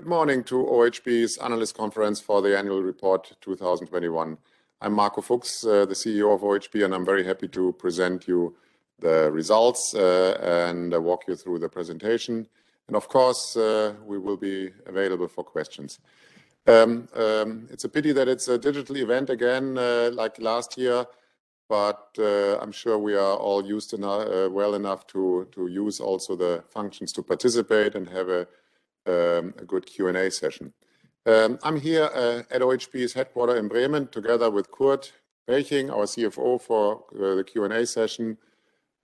Good morning to OHB's Analyst Conference for the Annual Report 2021. I'm Marco Fuchs, the CEO of OHB, and I'm very happy to present you the results and walk you through the presentation. Of course, we will be available for questions. It's a pity that it's a digital event again, like last year, but I'm sure we are all used to now, well enough to use also the functions to participate and have a good Q&A session. I'm here at OHB's headquarters in Bremen, together with Kurt Melching, our CFO, for the Q&A session.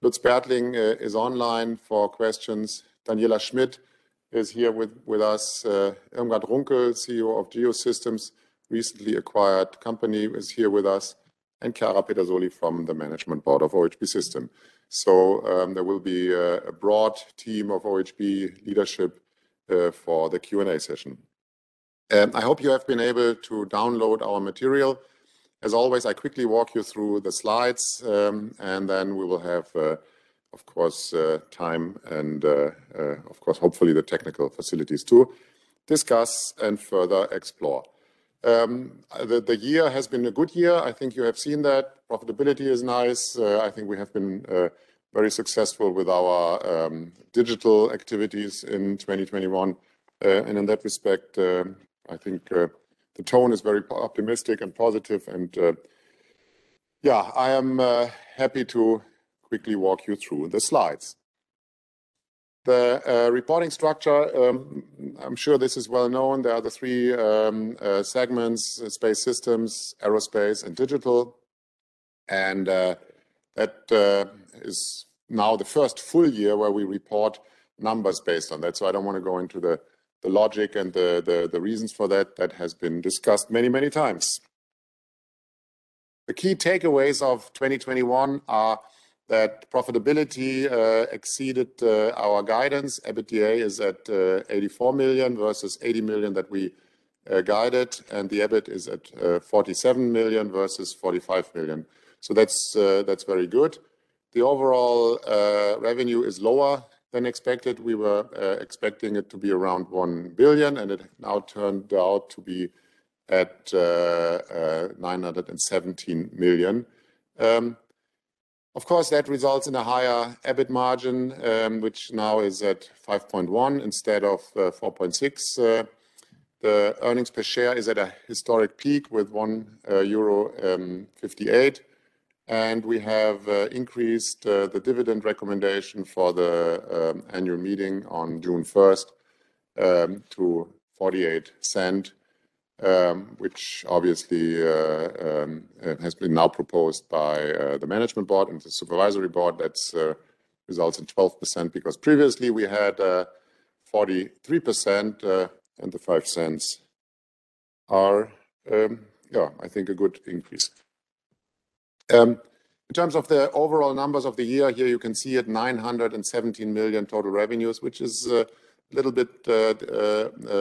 Lutz Bertling is online for questions. Daniela Schmidt is here with us. Irmgard Runkel, CEO of GEOSYSTEMS, recently acquired company, is here with us, and Chiara Pedersoli from the Management Board of OHB System. There will be a broad team of OHB leadership for the Q&A session. I hope you have been able to download our material. As always, I quickly walk you through the slides, and then we will have, of course, time and, of course, hopefully the technical facilities to discuss and further explore. The year has been a good year. I think you have seen that. Profitability is nice. I think we have been very successful with our digital activities in 2021. In that respect, I think the tone is very optimistic and positive, and I am happy to quickly walk you through the slides. The reporting structure, I'm sure this is well known. There are three segments, Space Systems, Aerospace, and Digital. That is now the first full year where we report numbers based on that. I don't want to go into the logic and the reasons for that. That has been discussed many times. The key takeaways of 2021 are that profitability exceeded our guidance. EBITDA is at 84 million versus 80 million that we guided, and the EBIT is at 47 million versus 45 million. That's very good. The overall revenue is lower than expected. We were expecting it to be around 1 billion, and it now turned out to be at 917 million. Of course, that results in a higher EBIT margin, which now is at 5.1% instead of 4.6%. The earnings per share is at a historic peak with 1.58 euro. We have increased the dividend recommendation for the annual meeting on June 1st to 0.48, which obviously has been now proposed by the Management Board and the Supervisory Board. That results in 12%, because previously we had 43%, and the 0.05 are, yeah, I think a good increase. In terms of the overall numbers of the year, here you can see 917 million total revenues, which is a little bit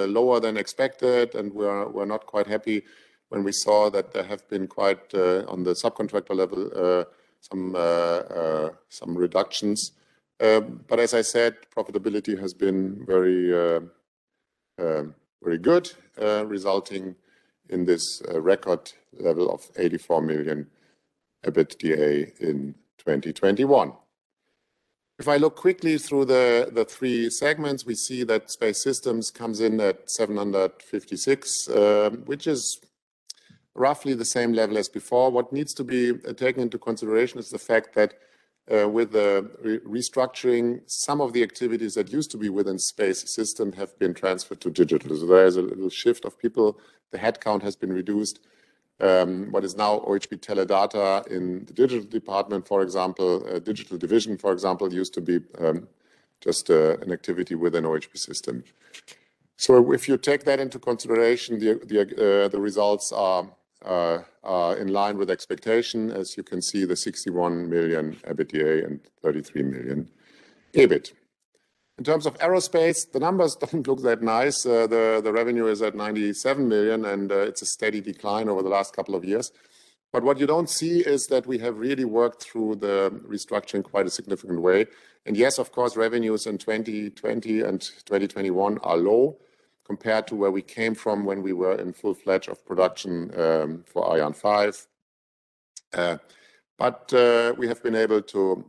lower than expected, and we're not quite happy when we saw that there have been quite on the subcontractor level some reductions. As I said, profitability has been very good, resulting in this record level of 84 million EBITDA in 2021. If I look quickly through the three segments, we see that Space Systems comes in at 756 million, which is roughly the same level as before. What needs to be taken into consideration is the fact that with the restructuring, some of the activities that used to be within Space Systems have been transferred to Digital. There is a little shift of people. The headcount has been reduced. What is now OHB Teledata in the Digital department, for example, Digital division, for example, used to be just an activity within OHB System. If you take that into consideration, the results are in line with expectation, as you can see, the 61 million EBITDA and 33 million EBIT. In terms of Aerospace, the numbers doesn't look that nice. The revenue is at 97 million, and it's a steady decline over the last couple of years. What you don't see is that we have really worked through the restructuring quite a significant way. Yes, of course, revenues in 2020 and 2021 are low compared to where we came from when we were in full-fledged of production for Ariane 5. We have been able to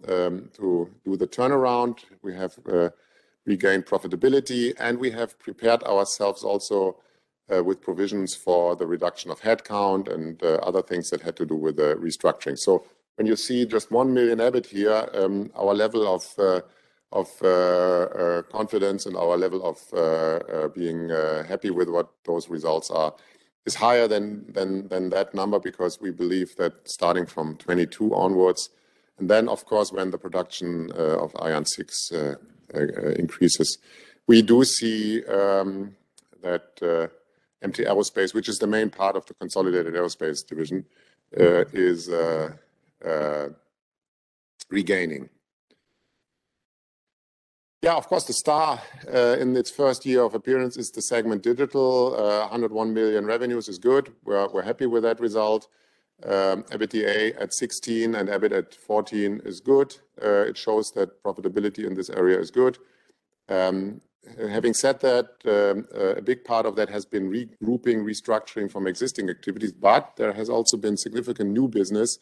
do the turnaround. We have regained profitability, and we have prepared ourselves also with provisions for the reduction of headcount and other things that had to do with the restructuring. When you see just 1 million EBIT here, our level of confidence and our level of being happy with what those results are is higher than that number, because we believe that starting from 2022 onwards, and then of course, when the production of Ariane 6 increases, we do see that MT Aerospace, which is the main part of the consolidated Aerospace division, is regaining. Yeah, of course, the star in its first year of appearance is the Digital segment. 101 million revenues is good. We're happy with that result. EBITDA at 16% and EBIT at 14% is good. It shows that profitability in this area is good. Having said that, a big part of that has been regrouping, restructuring from existing activities, but there has also been significant new business,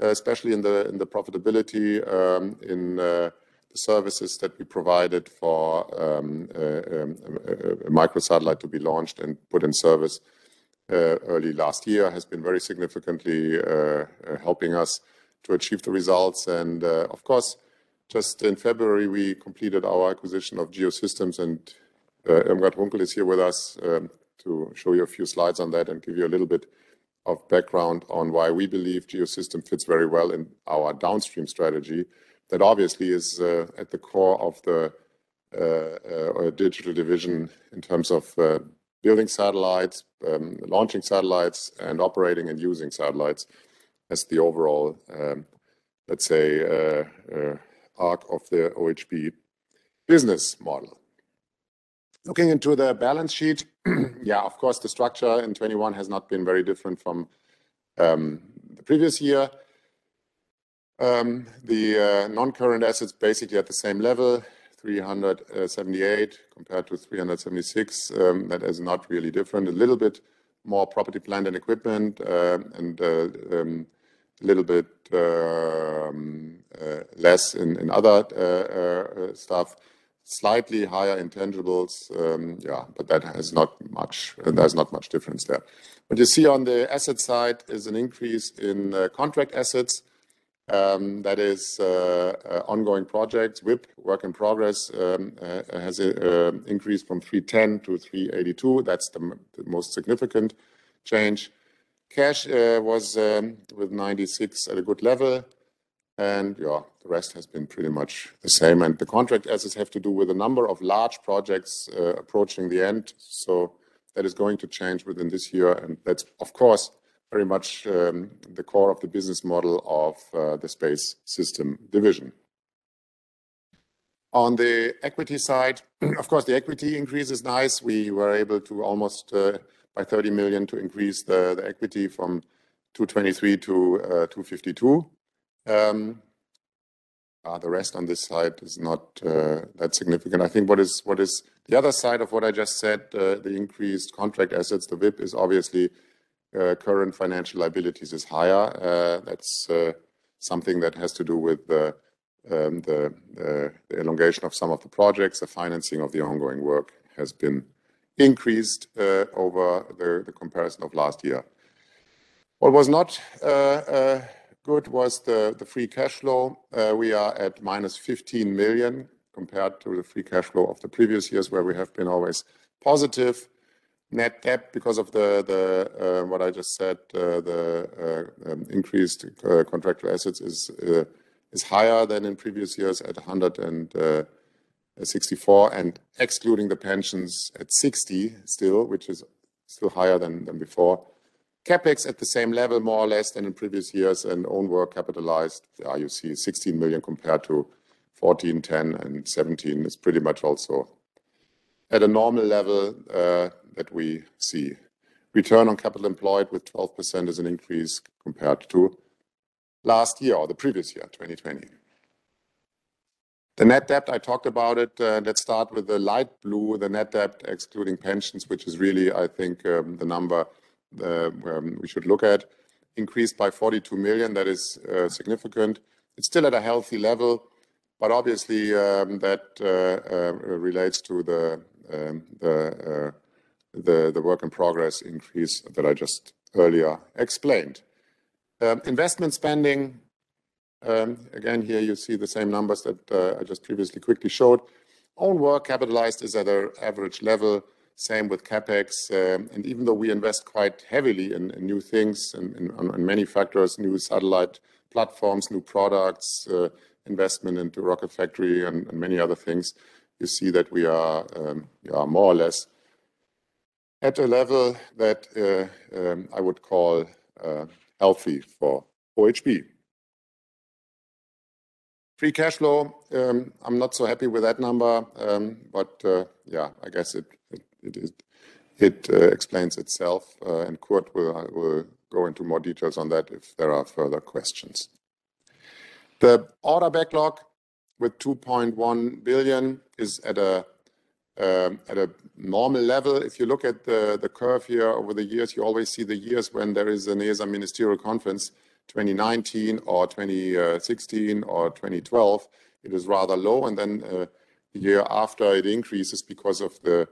especially in the profitability in the services that we provided for a micro satellite to be launched and put in service early last year has been very significantly helping us to achieve the results. Of course, just in February, we completed our acquisition of GEOSYSTEMS, and Irmgard Runkel is here with us to show you a few slides on that and give you a little bit of background on why we believe GEOSYSTEMS fits very well in our downstream strategy. That obviously is at the core of the Digital division in terms of building satellites, launching satellites, and operating and using satellites as the overall, let's say, arc of the OHB business model. Looking into the balance sheet, yeah, of course, the structure in 2021 has not been very different from the previous year. The non-current assets basically at the same level, 378 compared to 376. That is not really different. A little bit more property, plant, and equipment and a little bit less in other stuff. Slightly higher intangibles, yeah, but there's not much difference there. What you see on the asset side is an increase in contract assets, that is ongoing projects. WIP, work in progress, has increased from 310 million-382 million. That's the most significant change. Cash was with 96 million at a good level, and, yeah, the rest has been pretty much the same. The contract assets have to do with a number of large projects approaching the end. So that is going to change within this year, and that's of course very much the core of the business model of the Space Systems division. On the equity side, of course, the equity increase is nice. We were able to almost by 30 million to increase the equity from 223 million-252 million. The rest on this slide is not that significant. I think what is the other side of what I just said, the increased contract assets, the WIP is obviously current financial liabilities is higher. That's something that has to do with the elongation of some of the projects. The financing of the ongoing work has been increased over the comparison of last year. What was not good was the free cash flow. We are at -15 million compared to the free cash flow of the previous years, where we have been always positive. Net debt, because of what I just said, the increased contract assets is higher than in previous years at 164 million, and excluding the pensions at 60 million still, which is still higher than before. CapEx at the same level, more or less than in previous years, and own work capitalized, you see 16 million compared to 14, 10 and 17 is pretty much also at a normal level that we see. Return on capital employed with 12% is an increase compared to last year or the previous year, 2020. The net debt, I talked about it. Let's start with the light blue, the net debt excluding pensions, which is really, I think, the number we should look at. Increased by 42 million, that is significant. It's still at a healthy level, but obviously, that relates to the work in progress increase that I just earlier explained. Investment spending, again, here you see the same numbers that I just previously quickly showed. Own work capitalized is at our average level, same with CapEx. Even though we invest quite heavily in new things and on many factors, new satellite platforms, new products, investment into rocket factory and many other things, you see that we are more or less at a level that I would call healthy for OHB. Free cash flow, I'm not so happy with that number. I guess it explains itself, and Kurt will go into more details on that if there are further questions. The order backlog with 2.1 billion is at a normal level. If you look at the curve here over the years, you always see the years when there is an ESA Ministerial Conference, 2019 or 2016 or 2012, it is rather low. The year after it increases because of the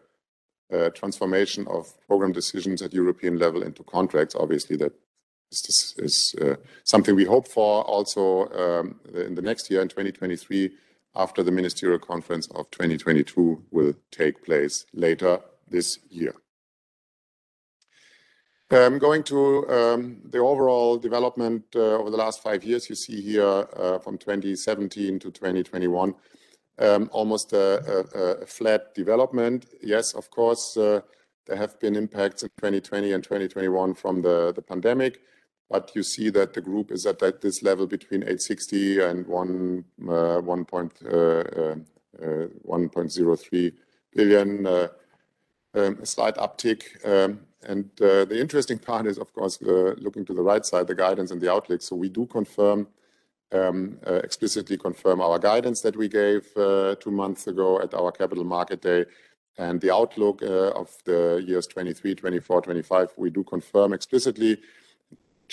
transformation of program decisions at European level into contracts. Obviously, that is something we hope for also in the next year, in 2023, after the Ministerial Conference of 2022 will take place later this year. Going to the overall development over the last five years, you see here from 2017 to 2021 almost a flat development. Yes, of course, there have been impacts in 2020 and 2021 from the pandemic, but you see that the group is at this level between 860 million and 1.03 billion, a slight uptick, and the interesting part is, of course, looking to the right side, the guidance and the outlook. We explicitly confirm our guidance that we gave two months ago at our Capital Market Day. The outlook of the years 2023, 2024, 2025, we do confirm explicitly.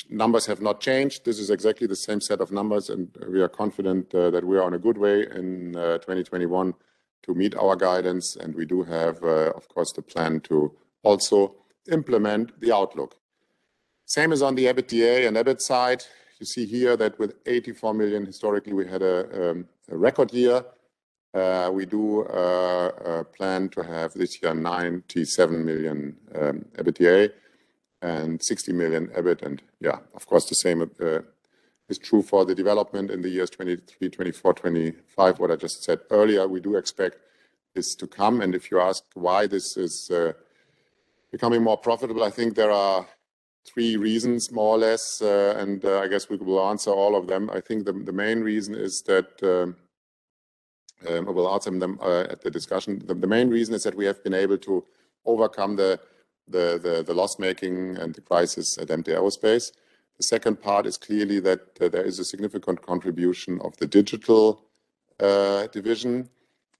Numbers have not changed. This is exactly the same set of numbers, and we are confident that we are on a good way in 2021 to meet our guidance. We have, of course, the plan to also implement the outlook. Same as on the EBITDA and EBIT side. You see here that with 84 million, historically, we had a record year. We do plan to have this year 97 million EBITDA and 60 million EBIT. Yeah, of course, the same is true for the development in the years 2023, 2024, 2025. What I just said earlier, we do expect this to come. If you ask why this is becoming more profitable, I think there are three reasons, more or less, and I guess we will answer all of them. I think the main reason is that we'll answer them at the discussion. The main reason is that we have been able to overcome the loss-making enterprises at MT Aerospace. The second part is clearly that there is a significant contribution of the Digital division.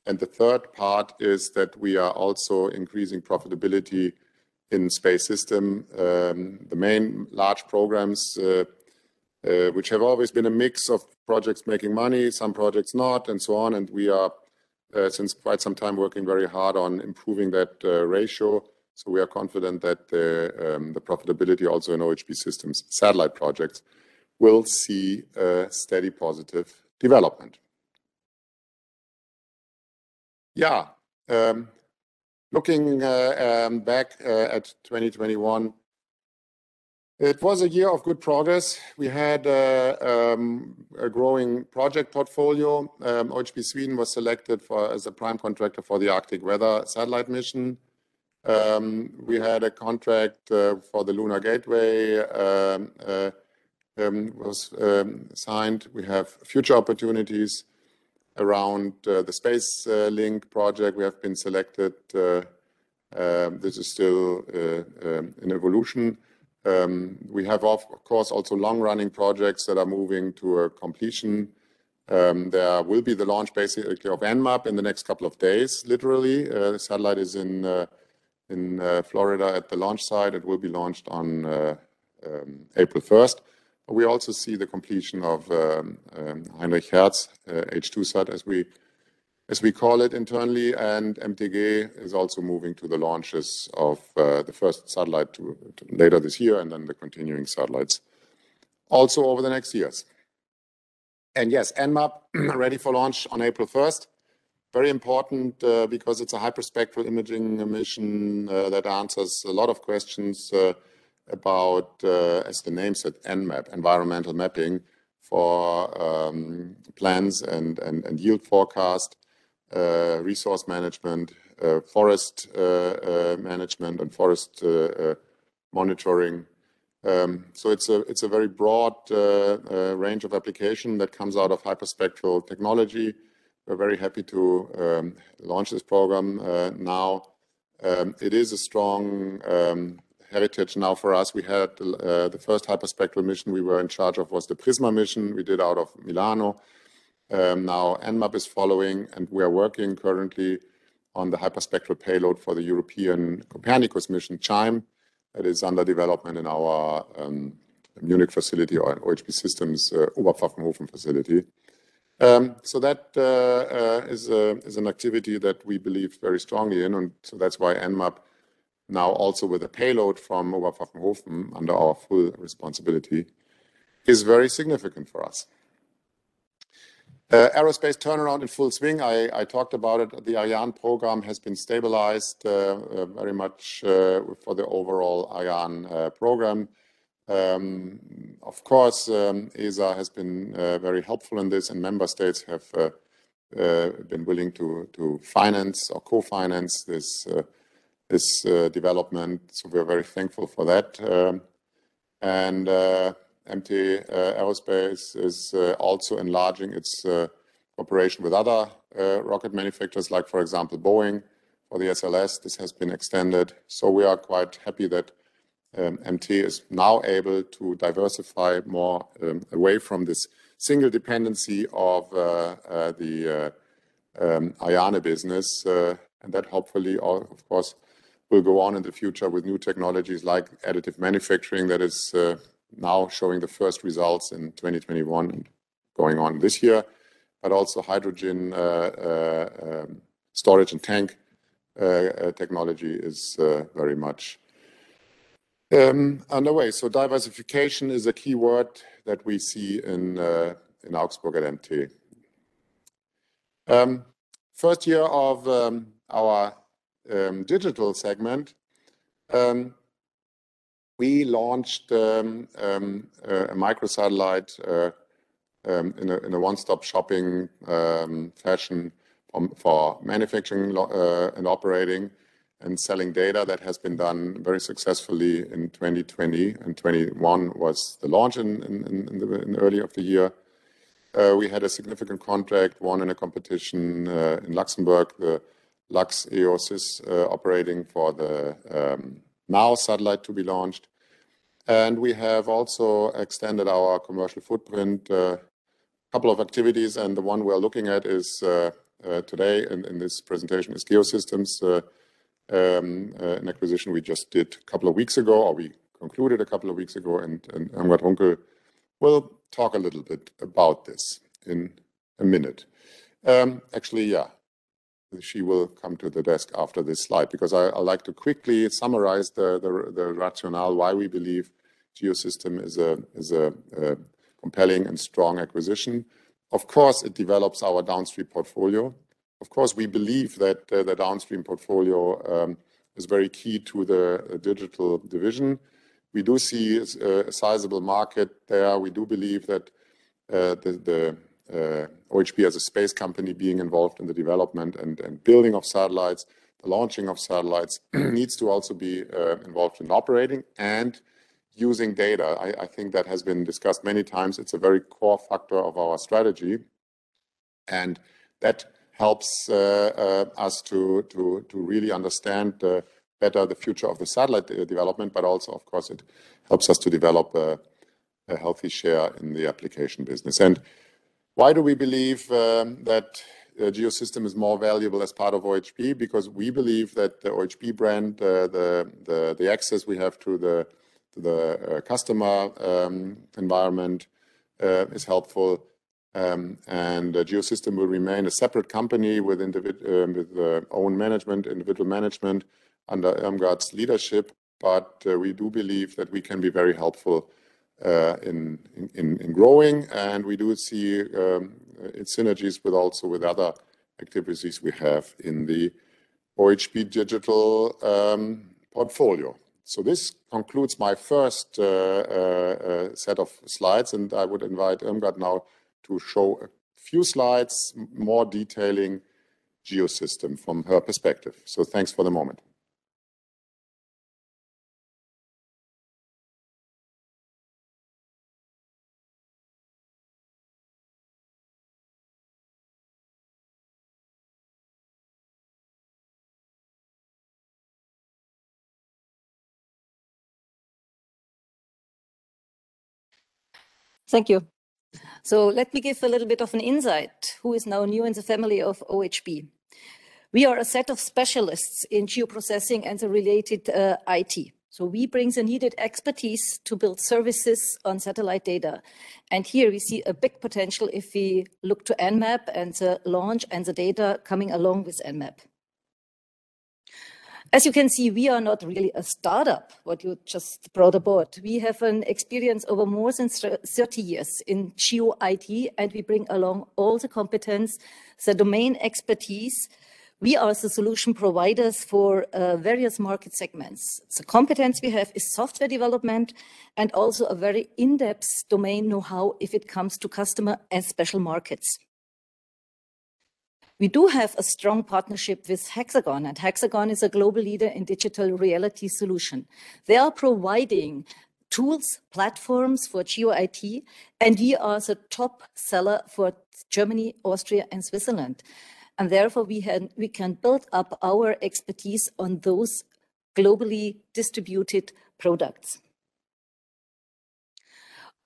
The third part is that we are also increasing profitability in Space Systems, the main large programs, which have always been a mix of projects making money, some projects not, and so on. We are since quite some time working very hard on improving that ratio. We are confident that the profitability also in OHB System satellite projects will see a steady positive development. Yeah. Looking back at 2021, it was a year of good progress. We had a growing project portfolio. OHB Sweden was selected as a prime contractor for the Arctic Weather Satellite mission. We had a contract for the Lunar Gateway that was signed. We have future opportunities around the SpaceLink project. We have been selected, this is still an evolution. We have, of course, also long-running projects that are moving to a completion. There will be the launch, basically, of EnMAP in the next couple of days, literally. The satellite is in Florida at the launch site. It will be launched on April 1st. We also see the completion of Heinrich Hertz, H2Sat, as we call it internally. MTG is also moving to the launches of the first satellite later this year, and then the continuing satellites also over the next years. Yes, EnMAP ready for launch on April 1st. Very important, because it's a hyperspectral imaging mission that answers a lot of questions about, as the name said, EnMAP, environmental mapping for plants and yield forecast, resource management, forest management and forest monitoring. It's a very broad range of application that comes out of hyperspectral technology. We're very happy to launch this program now. It is a strong heritage now for us. We had the first hyperspectral mission we were in charge of was the PRISMA mission we did out of Milano. Now EnMAP is following, and we are working currently on the hyperspectral payload for the European Copernicus mission, CHIME. It is under development in our Munich facility, OHB System, Oberpfaffenhofen facility. That is an activity that we believe very strongly in. That's why EnMAP now also with a payload from Oberpfaffenhofen under our full responsibility is very significant for us. Aerospace turnaround in full swing. I talked about it. The AION program has been stabilized very much for the overall AION program. Of course, ESA has been very helpful in this, and member states have been willing to finance or co-finance this development. We are very thankful for that. MT Aerospace is also enlarging its cooperation with other rocket manufacturers, like, for example, Boeing for the SLS. This has been extended, so we are quite happy that MT is now able to diversify more away from this single dependency of the Ariane business. That hopefully, of course, will go on in the future with new technologies like additive manufacturing that is now showing the first results in 2021 and going on this year. Also hydrogen storage and tank technology is very much on the way. Diversification is a key word that we see in Augsburg at MT. In the first year of our Digital segment, we launched a microsatellite in a one-stop shopping fashion for manufacturing and operating and selling data that has been done very successfully in 2020. 2021 was the launch in early in the year. We had a significant contract won in a competition in Luxembourg, the LUXEOSys operating for the NAOS satellite to be launched. We have also extended our commercial footprint, a couple of activities, and the one we are looking at is today in this presentation is GEOSYSTEMS, an acquisition we just did a couple of weeks ago, or we concluded a couple of weeks ago, and Irmgard Runkel will talk a little bit about this in a minute. Actually, yeah. She will come to the desk after this slide because I like to quickly summarize the rationale why we believe GEOSYSTEMS is a compelling and strong acquisition. Of course, it develops our downstream portfolio. Of course, we believe that the downstream portfolio is very key to the Digital division. We do see a sizable market there. We do believe that the OHB as a space company being involved in the development and building of satellites, the launching of satellites, needs to also be involved in operating and using data. I think that has been discussed many times. It's a very core factor of our strategy, and that helps us to really understand better the future of the satellite development, but also, of course, it helps us to develop a healthy share in the application business. Why do we believe that GEOSYSTEMS is more valuable as part of OHB? Because we believe that the OHB brand, the access we have to the customer environment is helpful. GEOSYSTEMS will remain a separate company with individual management under Irmgard's leadership. We do believe that we can be very helpful in growing, and we do see synergies with other activities we have in the OHB Digital portfolio. This concludes my first set of slides, and I would invite Irmgard now to show a few slides detailing GEOSYSTEMS from her perspective. Thanks for the moment. Thank you. Let me give a little bit of an insight who is now new in the family of OHB. We are a set of specialists in geoprocessing and the related IT. We bring the needed expertise to build services on satellite data. Here we see a big potential if we look to EnMAP and the launch and the data coming along with EnMAP. As you can see, we are not really a startup, what you just brought aboard. We have an experience over more than 30 years in geo IT, and we bring along all the competence, the domain expertise. We are the solution providers for various market segments. The competence we have is software development and also a very in-depth domain know-how if it comes to customer and special markets. We do have a strong partnership with Hexagon, and Hexagon is a global leader in digital reality solution. They are providing tools, platforms for Geo-IT, and we are the top seller for Germany, Austria, and Switzerland. Therefore, we can build up our expertise on those globally distributed products.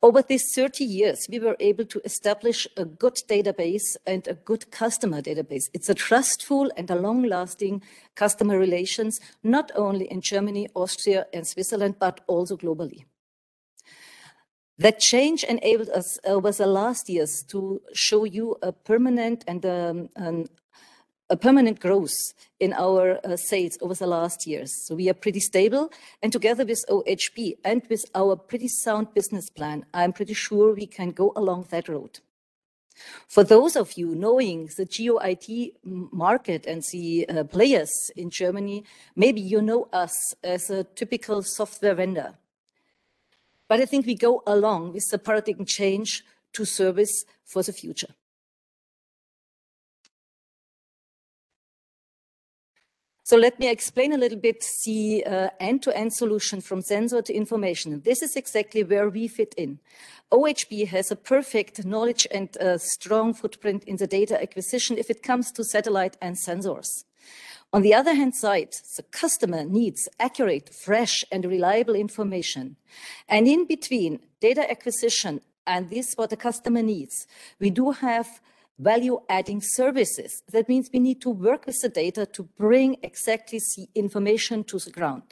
Over these 30 years, we were able to establish a good database and a good customer database. It's a trustful and a long-lasting customer relations, not only in Germany, Austria, and Switzerland, but also globally. The change enabled us over the last years to show you a permanent growth in our sales over the last years. We are pretty stable. Together with OHB and with our pretty sound business plan, I'm pretty sure we can go along that road. For those of you knowing the geo IT market and the players in Germany, maybe you know us as a typical software vendor. I think we go along with the paradigm change to service for the future. Let me explain a little bit the end-to-end solution from sensor to information. This is exactly where we fit in. OHB has a perfect knowledge and a strong footprint in the data acquisition if it comes to satellite and sensors. On the other hand side, the customer needs accurate, fresh, and reliable information. In between data acquisition and this what the customer needs, we do have value-adding services. That means we need to work with the data to bring exactly the information to the ground.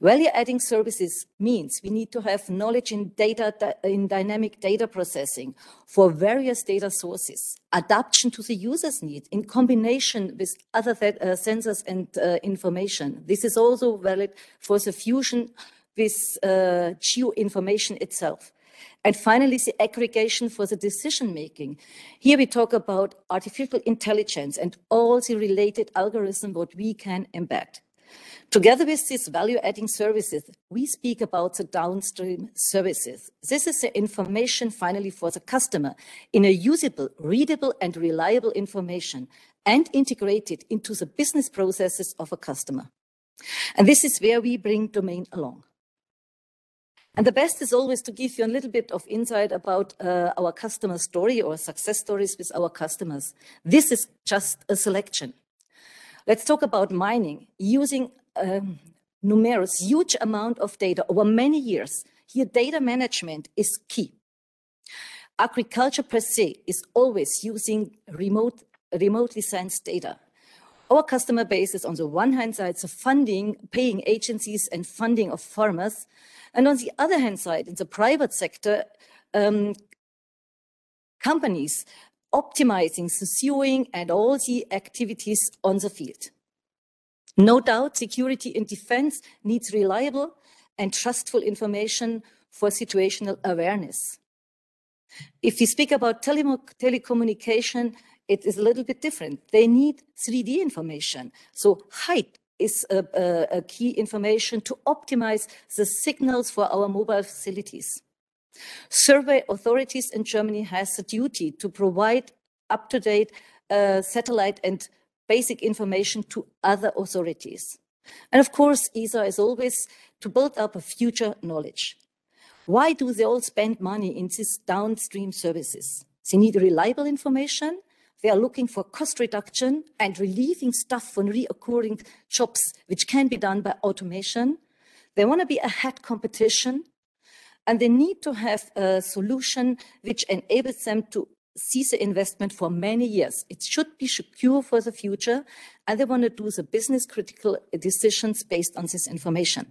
Value-adding services means we need to have knowledge in data in dynamic data processing for various data sources, adaptation to the user's needs in combination with other sensors and information. This is also valid for the fusion with geo information itself. Finally, the aggregation for the decision-making. Here we talk about artificial intelligence and all the related algorithms that we can embed. Together with these value-adding services, we speak about the downstream services. This is the information finally for the customer in a usable, readable, and reliable information and integrated into the business processes of a customer. This is where we bring domain along. The best is always to give you a little bit of insight about our customer story or success stories with our customers. This is just a selection. Let's talk about mining. Using numerous huge amount of data over many years, here data management is key. Agriculture per se is always using remotely sensed data. Our customer base is on the one hand side, the funding, paying agencies and funding of farmers, and on the other hand side, it's a private sector, companies optimizing, pursuing, and all the activities on the field. No doubt, security and defense needs reliable and trustful information for situational awareness. If you speak about telecommunication, it is a little bit different. They need 3D information, so height is a key information to optimize the signals for our mobile facilities. Survey authorities in Germany has a duty to provide up-to-date satellite and basic information to other authorities. Of course, ESA is always to build up a future knowledge. Why do they all spend money in these downstream services? They need reliable information. They are looking for cost reduction and relieving staff from recurring jobs which can be done by automation. They wanna be ahead of the competition, and they need to have a solution which enables them to seize the investment for many years. It should be secure for the future, and they wanna do the business critical decisions based on this information.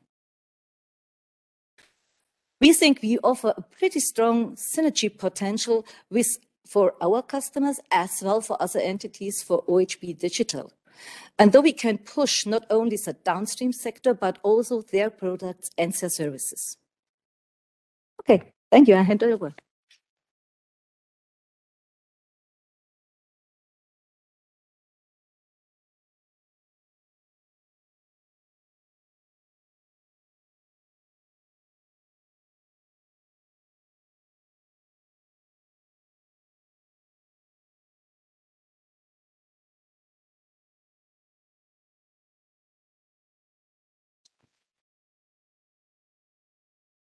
We think we offer a pretty strong synergy potential with, for our customers as well as for other entities for OHB Digital. So we can push not only the downstream sector, but also their products and their services. Okay. Thank you. I hand over.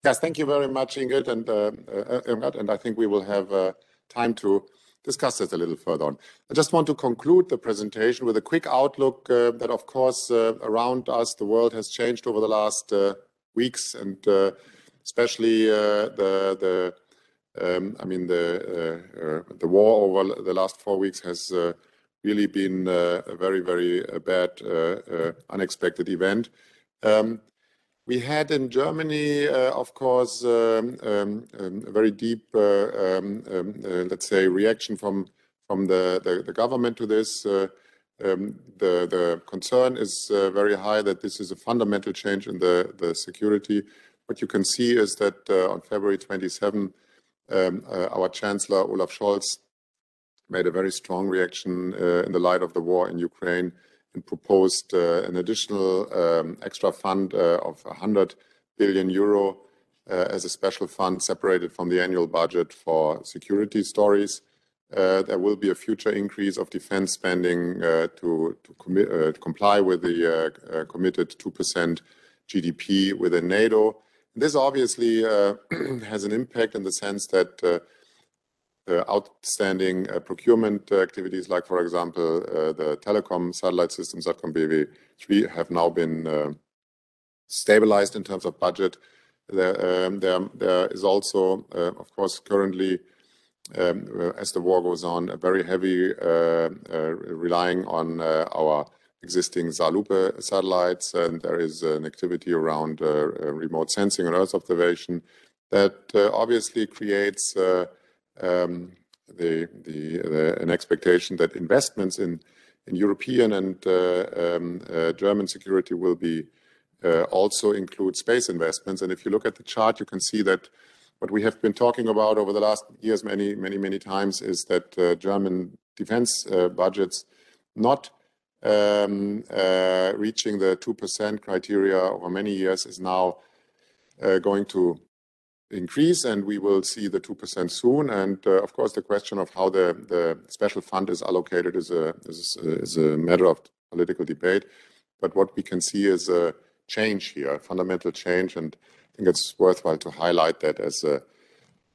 Yes, thank you very much, Irmgard, and Irmgard, and I think we will have time to discuss this a little further on. I just want to conclude the presentation with a quick outlook that of course around us, the world has changed over the last weeks and especially I mean the war over the last four weeks has really been a very, very bad unexpected event. We had in Germany of course a very deep let's say reaction from the government to this. The concern is very high that this is a fundamental change in the security. What you can see is that on February 27th our Chancellor Olaf Scholz made a very strong reaction in the light of the war in Ukraine and proposed an additional extra fund of 100 billion euro as a special fund separated from the annual budget for security and defense. There will be a future increase of defense spending to comply with the committed 2% GDP within NATO. This obviously has an impact in the sense that the outstanding procurement activities, like for example, the telecom satellite systems SATCOMBw, have now been stabilized in terms of budget. There is also, of course, currently, as the war goes on, a very heavy relying on our existing SAR-Lupe satellites, and there is an activity around remote sensing and Earth observation that obviously creates an expectation that investments in European and German security will also include space investments. If you look at the chart, you can see that what we have been talking about over the last years many times is that German defense budgets not reaching the 2% criteria over many years is now going to increase, and we will see the 2% soon. Of course, the question of how the special fund is allocated is a matter of political debate. What we can see is a change here, a fundamental change, and I think it's worthwhile to highlight that.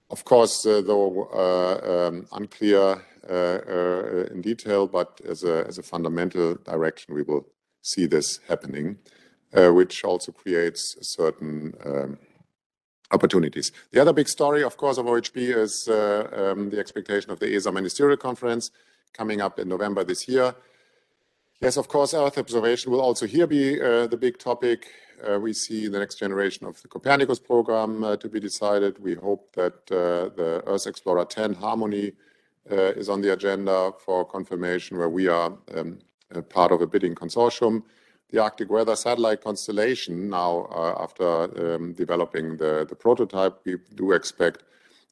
Of course, though, unclear in detail, but as a fundamental direction, we will see this happening, which also creates certain opportunities. The other big story, of course, of OHB is the expectation of the ESA Ministerial Conference coming up in November this year. Yes, of course, Earth observation will also here be the big topic. We see the next generation of the Copernicus program to be decided. We hope that the Earth Explorer 10 Harmony is on the agenda for confirmation, where we are a part of a bidding consortium. The Arctic Weather Satellite constellation now, after developing the prototype, we do expect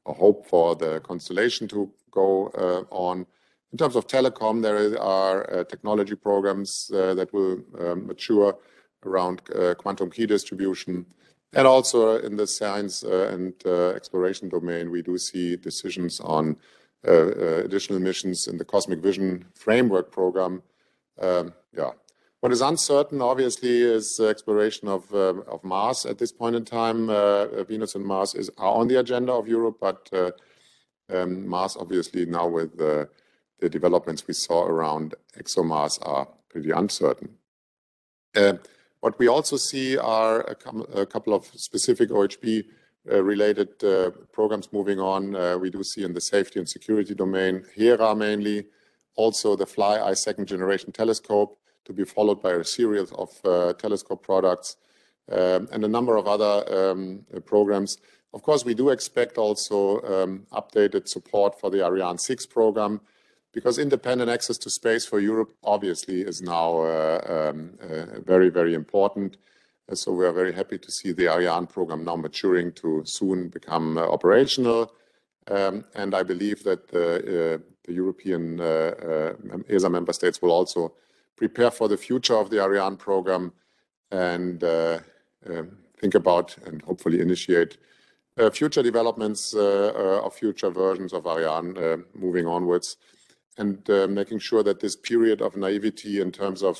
a hope for the constellation to go on. In terms of telecom, there are technology programs that will mature around quantum key distribution. Also in the science and exploration domain, we do see decisions on additional missions in the Cosmic Vision framework program. What is uncertain, obviously, is exploration of Mars at this point in time. Venus and Mars are on the agenda of Europe, but Mars obviously now with the developments we saw around ExoMars are pretty uncertain. What we also see are a couple of specific OHB-related programs moving on. We do see, in the safety and security domain, Hera mainly, also the FlyEye second-generation telescope, to be followed by a series of telescope products, and a number of other programs. Of course, we do expect also updated support for the Ariane 6 program, because independent access to space for Europe obviously is now very, very important. We are very happy to see the Ariane program now maturing to soon become operational. I believe that the European ESA member states will also prepare for the future of the Ariane program and think about and hopefully initiate future developments or future versions of Ariane moving onwards, and making sure that this period of naivety in terms of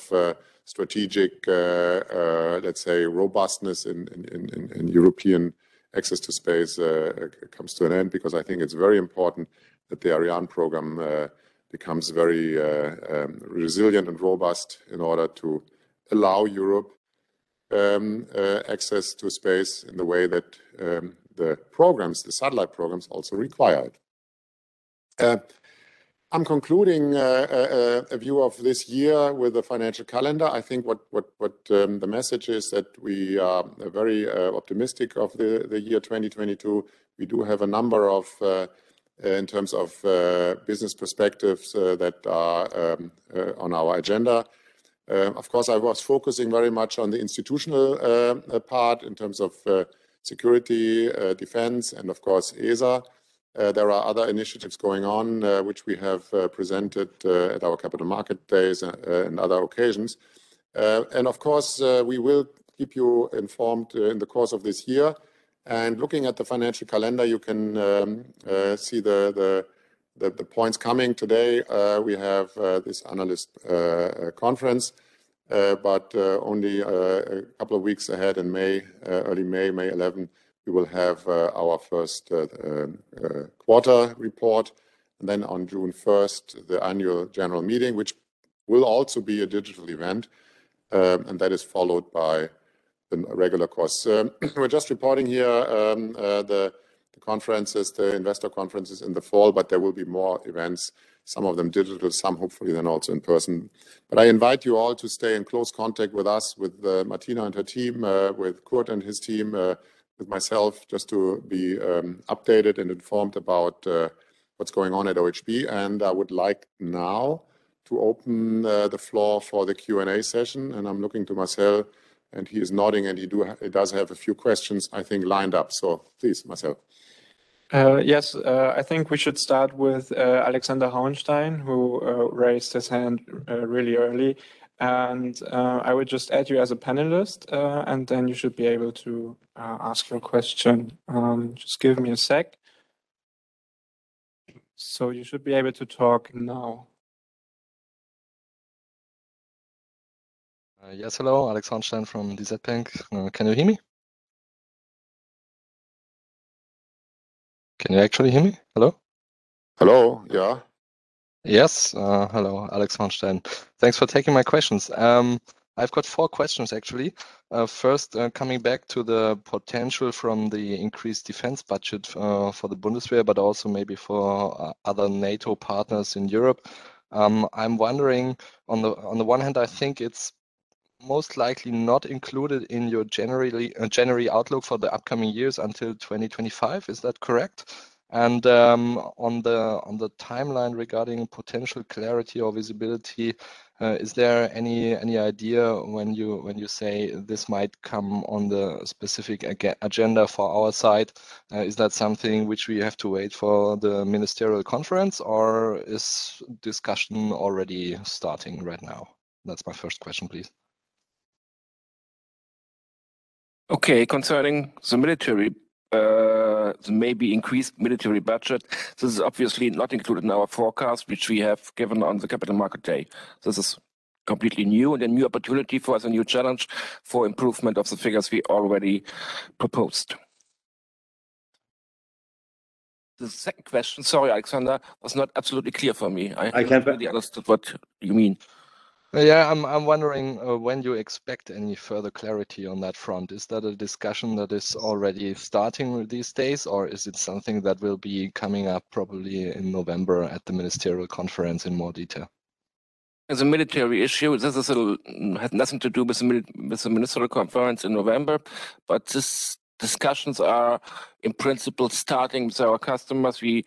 strategic, let's say robustness in European access to space comes to an end, because I think it's very important that the Ariane program becomes very resilient and robust in order to allow Europe access to space in the way that the programs, the satellite programs also required. I'm concluding a view of this year with the financial calendar. I think what the message is that we are very optimistic of the year 2022. We do have a number of in terms of business perspectives that are on our agenda. Of course, I was focusing very much on the institutional part in terms of security, defense, and of course, ESA. There are other initiatives going on which we have presented at our Capital Market Days and other occasions. Of course, we will keep you informed in the course of this year. Looking at the financial calendar, you can see the points coming. Today, we have this analyst conference, but only a couple of weeks ahead in May, early May 11th, we will have our first quarter report. Then on June 1st, the Annual General Meeting, which will also be a digital event, and that is followed by the regular course. We're just reporting here the conferences, the investor conferences in the fall, but there will be more events, some of them digital, some hopefully then also in person. I invite you all to stay in close contact with us, with Martina and her team, with Kurt and his team, with myself, just to be updated and informed about what's going on at OHB. I would like now to open the floor for the Q&A session, and I'm looking to Marcel, and he is nodding, and he does have a few questions, I think, lined up. Please, Marcel. Yes. I think we should start with Alexander Hauenstein, who raised his hand really early. I would just add you as a panelist, and then you should be able to ask your question. Just give me a sec. You should be able to talk now. Yes, hello. Alexander Hauenstein from DZ BANK. Can you hear me? Can you actually hear me? Hello? Hello. Yeah. Yes. Hello. Alexander Hauenstein. Thanks for taking my questions. I've got four questions, actually. First, coming back to the potential from the increased defense budget for the Bundeswehr, but also maybe for other NATO partners in Europe. I'm wondering, on the one hand, I think it's most likely not included in your general January outlook for the upcoming years until 2025. Is that correct? On the timeline regarding potential clarity or visibility, is there any idea when you say this might come on the specific agenda for our side? Is that something which we have to wait for the Ministerial Conference, or is discussion already starting right now? That's my first question, please. Okay. Concerning the military, the maybe increased military budget, this is obviously not included in our forecast, which we have given on the Capital Market Day. This is completely new and a new opportunity for us, a new challenge for improvement of the figures we already proposed. The second question, sorry, Alexander, was not absolutely clear for me. I can- I haven't really understood what you mean. Yeah. I'm wondering when you expect any further clarity on that front. Is that a discussion that is already starting these days, or is it something that will be coming up probably in November at the Ministerial Conference in more detail? As a military issue, this has nothing to do with the Ministerial Conference in November. These discussions are in principle starting with our customers. We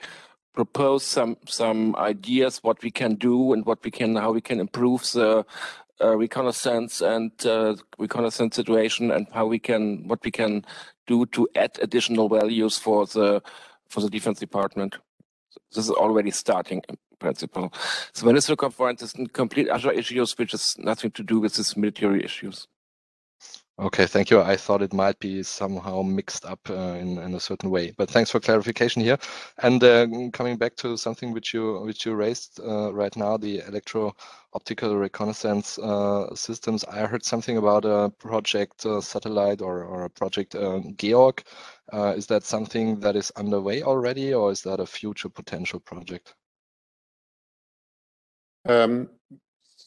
propose some ideas what we can do and how we can improve the reconnaissance situation and what we can do to add additional values for the Ministry of Defence. This is already starting in principle. Ministerial Conference is completely other issues which has nothing to do with these military issues. Okay, thank you. I thought it might be somehow mixed up in a certain way. Thanks for clarification here. Coming back to something which you raised right now, the electro-optical reconnaissance systems. I heard something about a project satellite or a project GEORG. Is that something that is underway already, or is that a future potential project?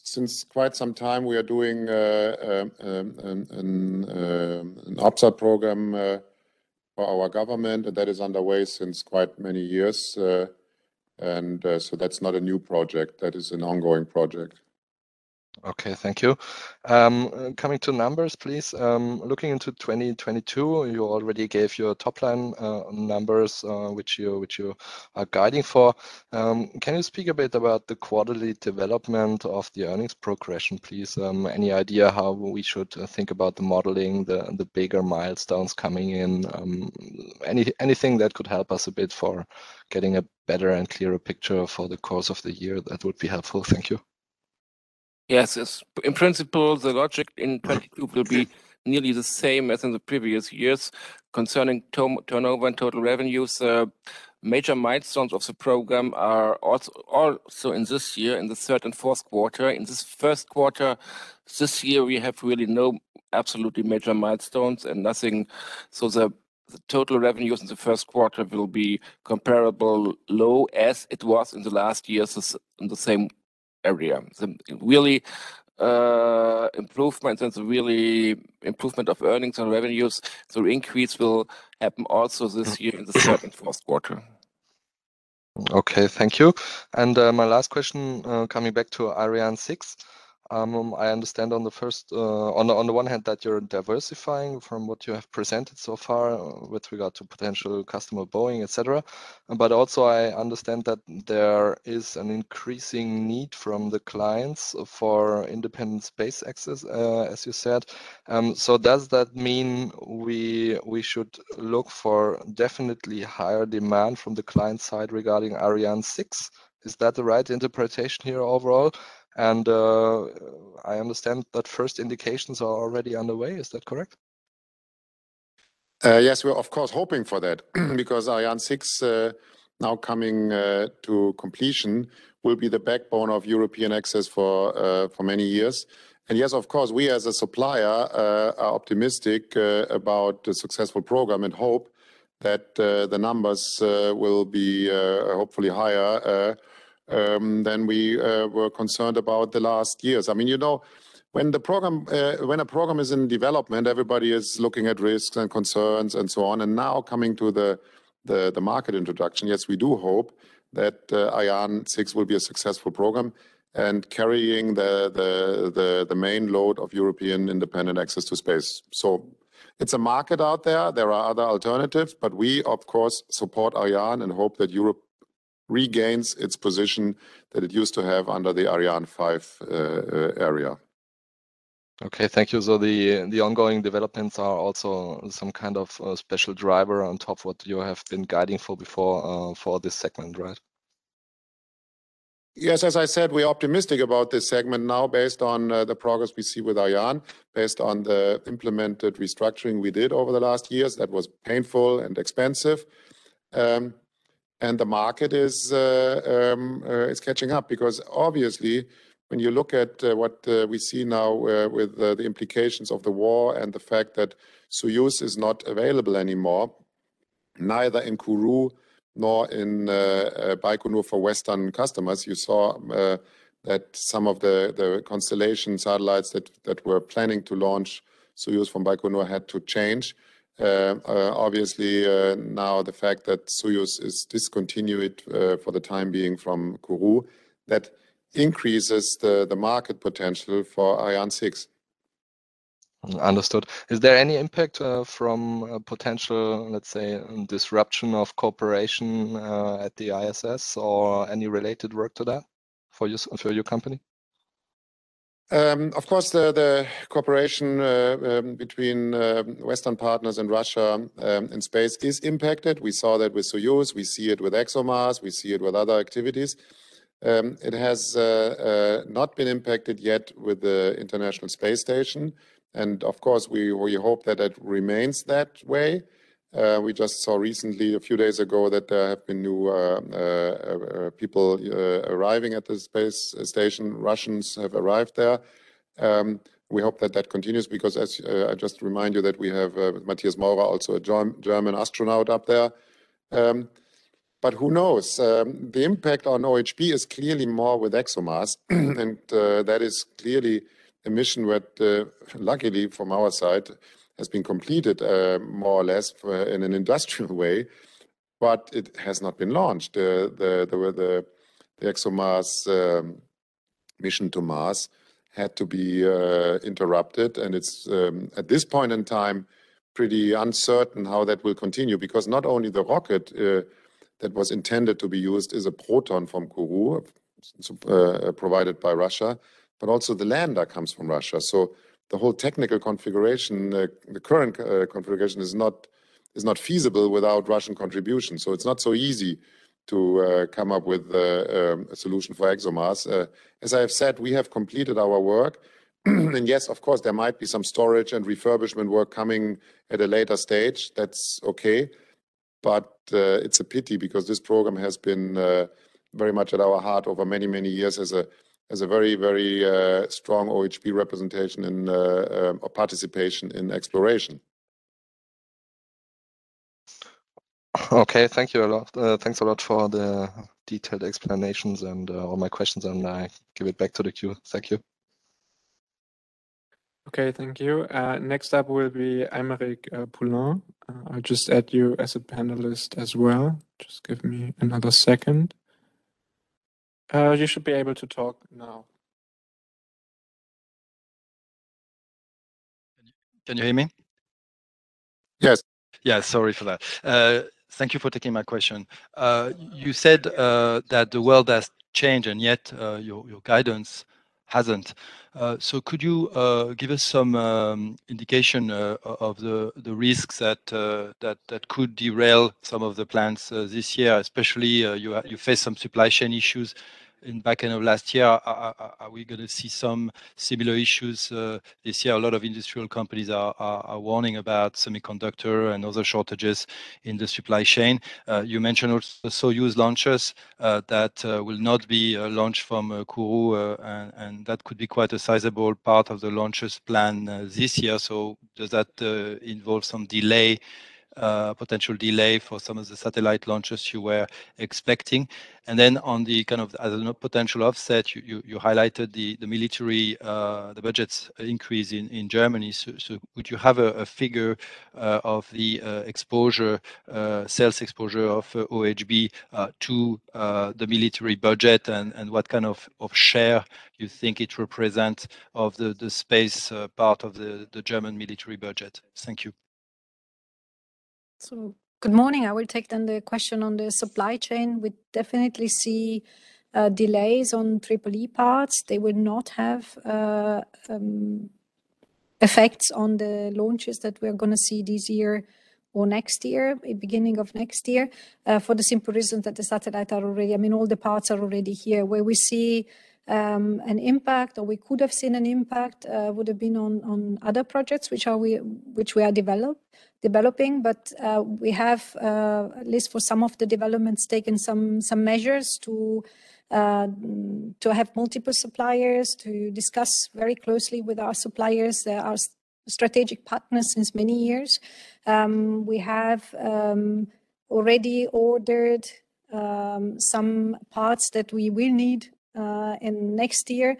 Since quite some time we are doing an upside program for our government, and that is underway since quite many years. That's not a new project, that is an ongoing project. Okay, thank you. Coming to numbers, please. Looking into 2022, you already gave your top-line numbers, which you are guiding for. Can you speak a bit about the quarterly development of the earnings progression, please? Any idea how we should think about the modeling, the bigger milestones coming in? Anything that could help us a bit for getting a better and clearer picture for the course of the year, that would be helpful. Thank you. Yes. Yes. In principle, the logic in 2022 will be nearly the same as in the previous years concerning turnover and total revenues. Major milestones of the program are also in this year, in the third and fourth quarter. In this first quarter, this year we have really no absolutely major milestones and nothing. The total revenues in the first quarter will be comparably low as it was in the last years, it's in the same area. The real improvement of earnings and revenues through increases will happen also this year in the third and fourth quarter. Okay, thank you. My last question, coming back to Ariane 6. I understand on the one hand that you're diversifying from what you have presented so far with regard to potential customer Boeing, et cetera. I understand that there is an increasing need from the clients for independent space access, as you said. Does that mean we should look for definitely higher demand from the client side regarding Ariane 6? Is that the right interpretation here overall? I understand that first indications are already underway. Is that correct? Yes, we're of course hoping for that because Ariane 6 now coming to completion will be the backbone of European access for many years. Yes, of course, we as a supplier are optimistic about the successful program and hope that the numbers will be hopefully higher than we were concerned about the last years. I mean, you know, when a program is in development, everybody is looking at risks and concerns and so on. Now coming to the market introduction, yes, we do hope that Ariane 6 will be a successful program and carrying the main load of European independent access to space. It's a market out there. There are other alternatives, but we of course support Ariane and hope that Europe regains its position that it used to have under the Ariane 5 era. Okay, thank you. The ongoing developments are also some kind of special driver on top what you have been guiding for before, for this segment, right? Yes. As I said, we're optimistic about this segment now based on the progress we see with Ariane, based on the implemented restructuring we did over the last years that was painful and expensive. The market is catching up because obviously when you look at what we see now with the implications of the war and the fact that Soyuz is not available anymore, neither in Kourou nor in Baikonur for Western customers, you saw that some of the constellation satellites that were planning to launch Soyuz from Baikonur had to change. Obviously, now the fact that Soyuz is discontinued for the time being from Kourou, that increases the market potential for Ariane 6. Understood. Is there any impact from a potential, let's say, disruption of cooperation at the ISS or any related work to that for your company? Of course, the cooperation between Western partners and Russia in space is impacted. We saw that with Soyuz, we see it with ExoMars, we see it with other activities. It has not been impacted yet with the International Space Station. Of course, we hope that it remains that way. We just saw recently a few days ago that there have been new people arriving at the space station. Russians have arrived there. We hope that that continues because I just remind you that we have Matthias Maurer, also a German astronaut up there. Who knows? The impact on OHB is clearly more with ExoMars and that is clearly a mission with luckily from our side has been completed more or less in an industrial way, but it has not been launched. The ExoMars mission to Mars had to be interrupted, and it's at this point in time pretty uncertain how that will continue because not only the rocket that was intended to be used is a Proton from Kourou provided by Russia, but also the lander that comes from Russia. So the whole technical configuration the current configuration is not feasible without Russian contribution. So it's not so easy to come up with a solution for ExoMars. As I have said, we have completed our work. Yes, of course, there might be some storage and refurbishment work coming at a later stage. That's okay. It's a pity because this program has been very much at our heart over many years as a very strong OHB representation and participation in exploration. Okay, thank you a lot. Thanks a lot for the detailed explanations and all my questions, and I give it back to the queue. Thank you. Okay, thank you. Next up will be Aymeric Poulain. I'll just add you as a panelist as well. Just give me another second. You should be able to talk now. Can you hear me? Yes. Yeah, sorry for that. Thank you for taking my question. You said that the world has changed, and yet your guidance hasn't. So could you give us some indication of the risks that could derail some of the plans this year? Especially, you face some supply chain issues in back end of last year. Are we gonna see some similar issues this year? A lot of industrial companies are warning about semiconductor and other shortages in the supply chain. You mentioned also Soyuz launchers that will not be launched from Kourou, and that could be quite a sizable part of the launches planned this year. Does that involve some delay, potential delay for some of the satellite launches you were expecting? And then on the kind of, as a potential offset, you highlighted the military budget's increase in Germany. Would you have a figure of the exposure, sales exposure of OHB to the military budget and what kind of share you think it represent of the space part of the German military budget? Thank you. Good morning. I will take the question on the supply chain. We definitely see delays on EEE parts. They will not have effects on the launches that we're gonna see this year or next year, beginning of next year, for the simple reason that the satellite are already I mean, all the parts are already here. Where we see an impact, or we could have seen an impact, would have been on other projects which we are developing. We have at least for some of the developments, taken some measures to have multiple suppliers, to discuss very closely with our suppliers. They're our strategic partners since many years. We have already ordered some parts that we will need in next year.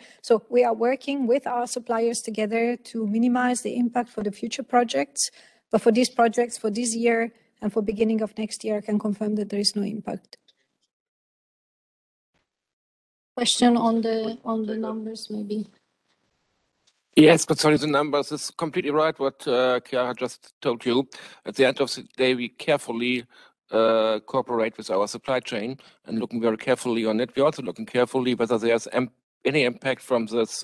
We are working with our suppliers together to minimize the impact for the future projects. For these projects, for this year and for beginning of next year, I can confirm that there is no impact. Question on the numbers maybe. Yes, concerning the numbers, it's completely right what Chiara just told you. At the end of the day, we carefully cooperate with our supply chain and looking very carefully on it. We are also looking carefully whether there's any impact from this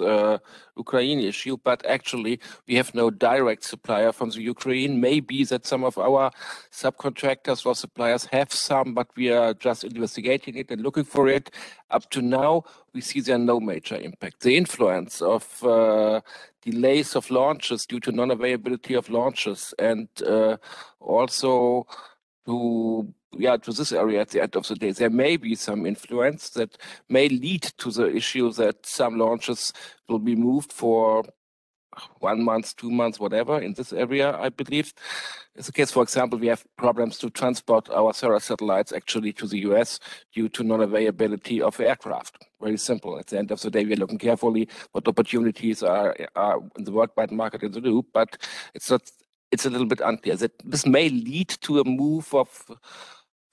Ukraine issue, but actually we have no direct supplier from the Ukraine. Maybe that some of our subcontractors or suppliers have some, but we are just investigating it and looking for it. Up to now, we see there are no major impact. The influence of delays of launches due to non-availability of launches and also to this area at the end of the day, there may be some influence that may lead to the issue that some launches will be moved for one month, two months, whatever, in this area, I believe. It's the case, for example, we have problems to transport our SAR satellites actually to the U.S. due to non-availability of aircraft. Very simple. At the end of the day, we are looking carefully what opportunities are in the worldwide market we can do, but it's a little bit unclear. This may lead to a move of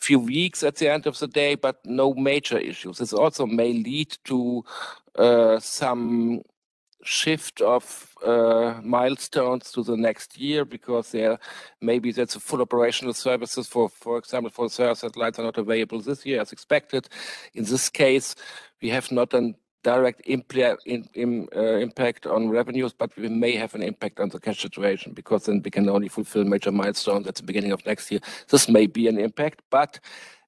few weeks at the end of the day, but no major issues. This also may lead to some shift of milestones to the next year because there maybe that's a full operational services for example, for SAR satellites are not available this year as expected. In this case, we have not a direct impact on revenues, but we may have an impact on the cash situation because then we can only fulfill major milestones at the beginning of next year. This may be an impact, but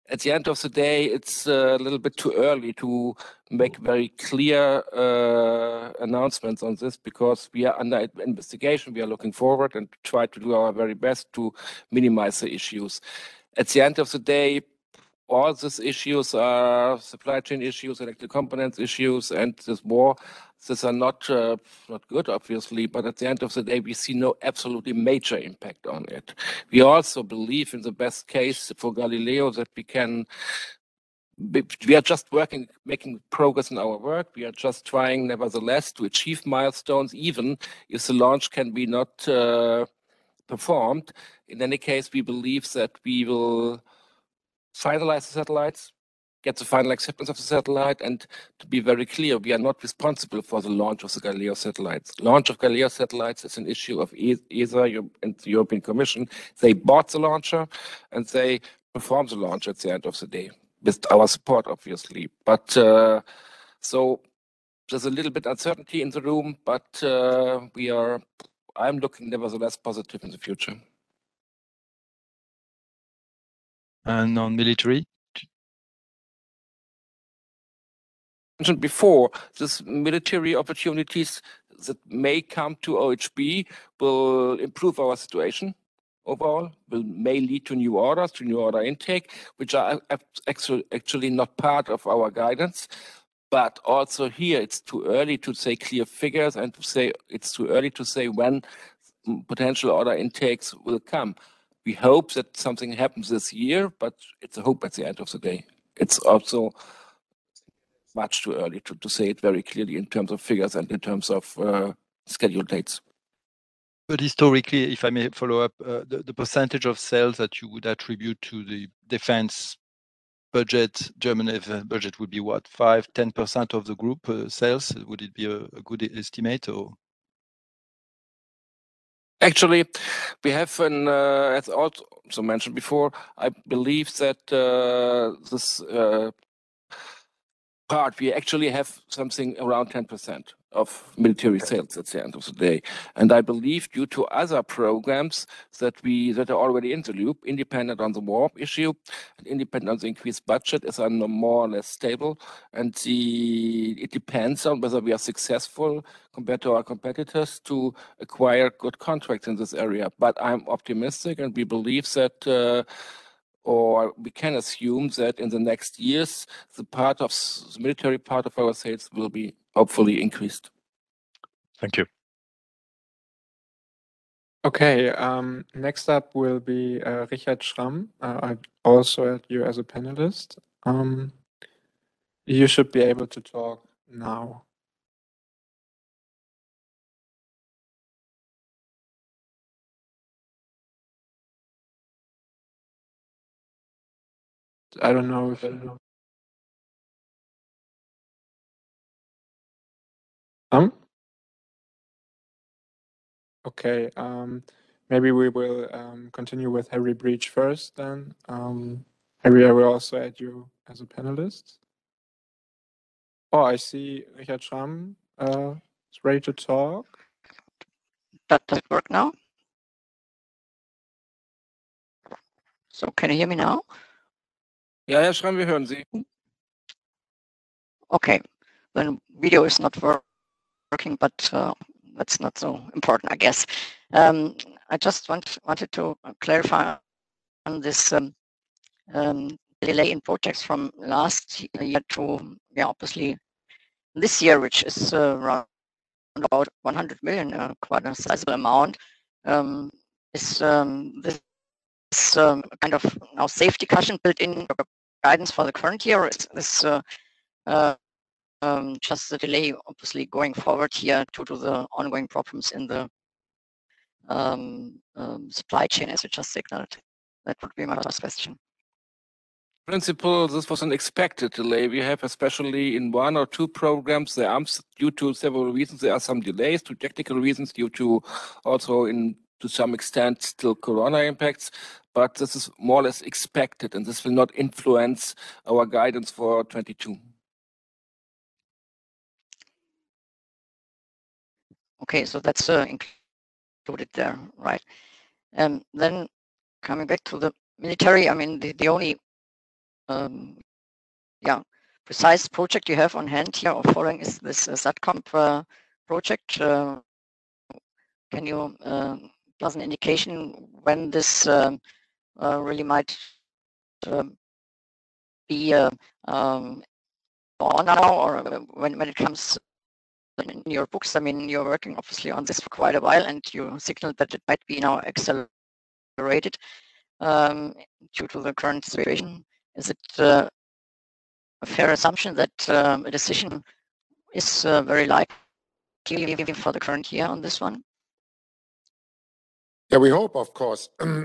at the end of the day, it's a little bit too early to make very clear announcements on this because we are under investigation. We are looking forward and try to do our very best to minimize the issues. At the end of the day, all these issues are supply chain issues, electronic components issues, and this war. These are not good obviously, but at the end of the day, we see no absolutely major impact on it. We also believe in the best case for Galileo that we can. We are just working, making progress in our work. We are just trying nevertheless to achieve milestones, even if the launch can be not performed. In any case, we believe that we will finalize the satellites, get the final acceptance of the satellite. To be very clear, we are not responsible for the launch of the Galileo satellites. Launch of Galileo satellites is an issue of ESA and European Commission. They bought the launcher, and they perform the launch at the end of the day, with our support obviously. There's a little bit uncertainty in the room, but we are... I'm looking nevertheless positive in the future. On military? Mentioned before, this military opportunities that may come to OHB will improve our situation overall, may lead to new orders, to new order intake, which are actually not part of our guidance. Also here, it's too early to say clear figures and it's too early to say when potential order intakes will come. We hope that something happens this year, but it's a hope at the end of the day. It's also much too early to say it very clearly in terms of figures and in terms of scheduled dates. Historically, if I may follow up, the percentage of sales that you would attribute to the defense budget, Germany's budget would be what? 5, 10% of the group sales? Would it be a good estimate or? Actually, we have, as also mentioned before, I believe that this part, we actually have something around 10% of military sales at the end of the day. I believe due to other programs that are already in the loop, independent on the war issue and independent increased budget, is more or less stable. It depends on whether we are successful compared to our competitors to acquire good contracts in this area. I'm optimistic, and we believe that or we can assume that in the next years, the military part of our sales will be hopefully increased. Thank you. Okay, next up will be Richard Schramm. I also add you as a panelist. You should be able to talk now. Okay, maybe we will continue with Harry Breach first then. Harry, I will also add you as a panelist. Oh, I see Richard Schramm is ready to talk. That doesn't work now. Can you hear me now? Yeah, yeah, Schramm, we hear you. Okay. The video is not working, but that's not so important, I guess. I just wanted to clarify on this delay in projects from last year to, yeah, obviously this year, which is around about 100 million, quite a sizable amount. Is this kind of new safety cushion built in your guidance for the current year or is this just the delay, obviously, going forward here due to the ongoing problems in the supply chain, as you just signaled? That would be my last question. In principle, this was an expected delay. We have, especially in one or two programs, there are some delays due to several reasons, due to technical reasons, due to also in, to some extent, still corona impacts. This is more or less expected, and this will not influence our guidance for 2022. Okay. That's included there, right. Coming back to the military, I mean, the only precise project you have on hand here or following is this SATCOM project. Can you provide an indication when this really might be on now or when it comes in your books? I mean, you're working obviously on this for quite a while, and you signaled that it might be now accelerated due to the current situation. Is it a fair assumption that a decision is very likely for the current year on this one? Yeah, we hope, of course. You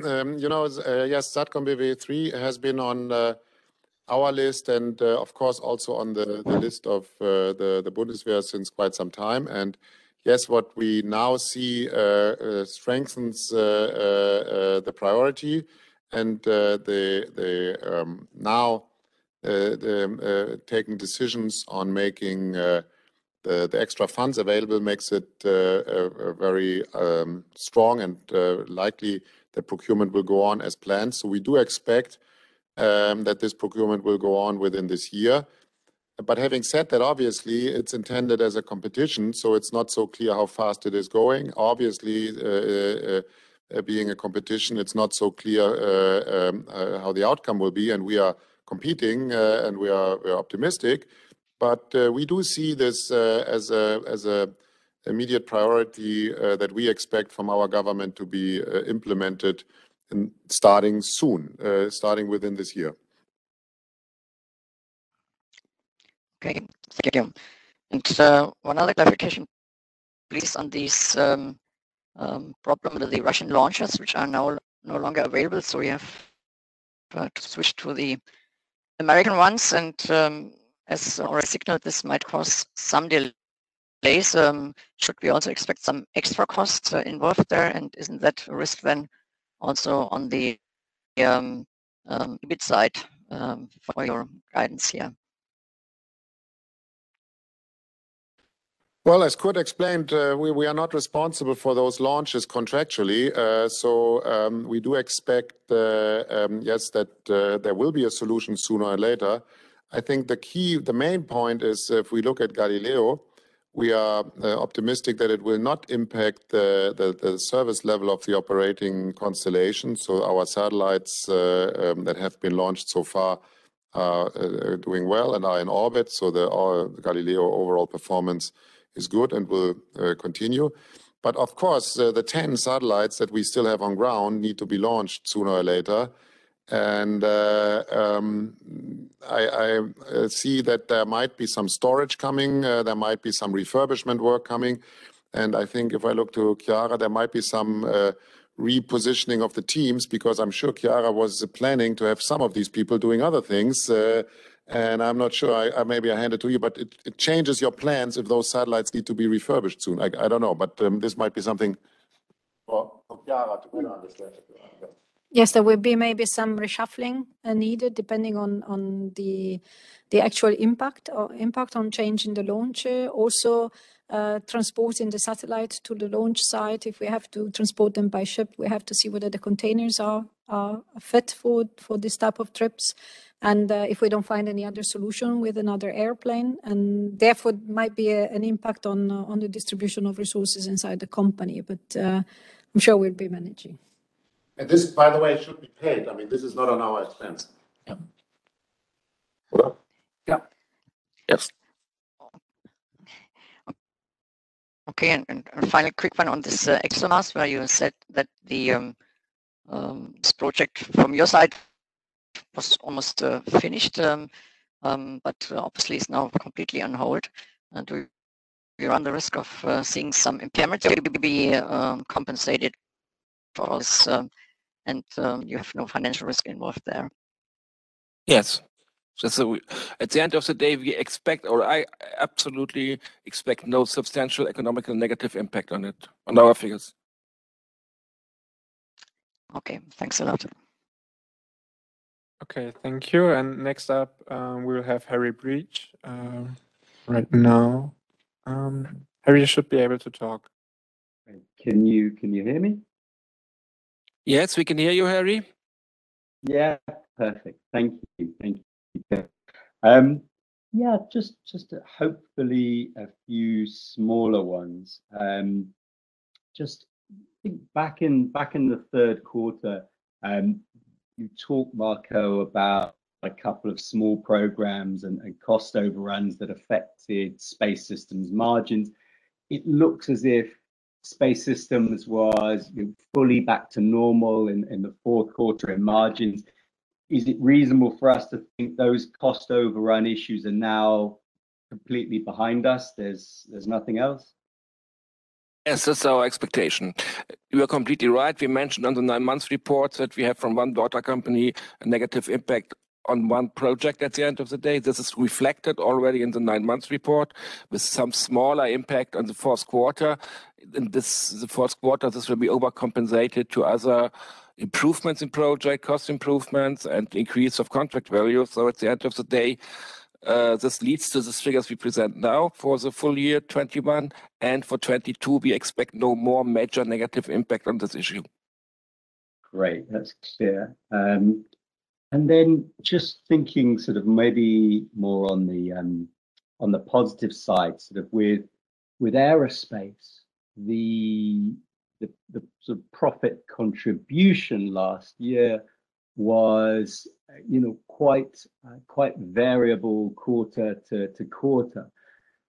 know, yes, SATCOMBw 3 has been on our list and, of course, also on the list of the Bundeswehr since quite some time. Yes, what we now see strengthens the priority and now the taking decisions on making the extra funds available makes it a very strong and likely the procurement will go on as planned. We do expect that this procurement will go on within this year. Having said that, obviously, it's intended as a competition, so it's not so clear how fast it is going. Obviously, being a competition, it's not so clear how the outcome will be, and we are competing, and we are optimistic. We do see this as an immediate priority that we expect from our government to be implemented, starting within this year. Okay. Thank you. One other clarification, please, on these problems with the Russian launchers, which are now no longer available, so we have to switch to the American ones. As already signaled, this might cause some delays. Should we also expect some extra costs involved there? Isn't that a risk then also on the bid side for your guidance here? Well, as Kurt explained, we are not responsible for those launches contractually. We do expect yes, that there will be a solution sooner or later. I think the key, the main point is if we look at Galileo, we are optimistic that it will not impact the service level of the operating constellation. Our satellites that have been launched so far are doing well and are in orbit. The Galileo overall performance is good and will continue. Of course, the 10 satellites that we still have on ground need to be launched sooner or later. I see that there might be some storage coming, there might be some refurbishment work coming. I think if I look to Chiara, there might be some repositioning of the teams because I'm sure Chiara was planning to have some of these people doing other things. I'm not sure, maybe I hand it to you, but it changes your plans if those satellites need to be refurbished soon. I don't know, but this might be something for Chiara to comment on this later. Yes, there will be maybe some reshuffling needed depending on the actual impact on change in the launch. Also, transporting the satellite to the launch site. If we have to transport them by ship, we have to see whether the containers are fit for this type of trips and if we don't find any other solution with another airplane. Therefore might be an impact on the distribution of resources inside the company. I'm sure we'll be managing. This, by the way, should be paid. I mean, this is not on our expense. Yeah. Hola. Yeah. Yes. Okay. Finally, quick one on this ExoMars, where you said that this project from your side was almost finished. Obviously it's now completely on hold, and we run the risk of seeing some impairment. It will be compensated for us, and you have no financial risk involved there. Yes. At the end of the day, we expect, or I absolutely expect no substantial economic negative impact on it, on our figures. Okay, thanks a lot. Okay, thank you. Next up, we'll have Harry Breach right now. Harry, you should be able to talk. Can you hear me? Yes, we can hear you, Harry. Yeah. Perfect. Thank you. Thank you. Yeah, just hopefully a few smaller ones. Just think back in the third quarter, you talked, Marco, about a couple of small programs and cost overruns that affected Space Systems margins. It looks as if Space Systems was, you know, fully back to normal in the fourth quarter in margins. Is it reasonable for us to think those cost overrun issues are now completely behind us? There's nothing else? Yes, that's our expectation. You are completely right. We mentioned on the nine-month report that we have from one daughter company a negative impact on one project at the end of the day. This is reflected already in the nine-month report with some smaller impact on the first quarter. This, the first quarter, this will be overcompensated to other improvements in project, cost improvements and increase of contract value. At the end of the day, this leads to the figures we present now for the full year 2021, and for 2022 we expect no more major negative impact on this issue. Great. That's clear. And then just thinking sort of maybe more on the positive side, sort of with Aerospace, the sort of profit contribution last year was, you know, quite variable quarter to quarter.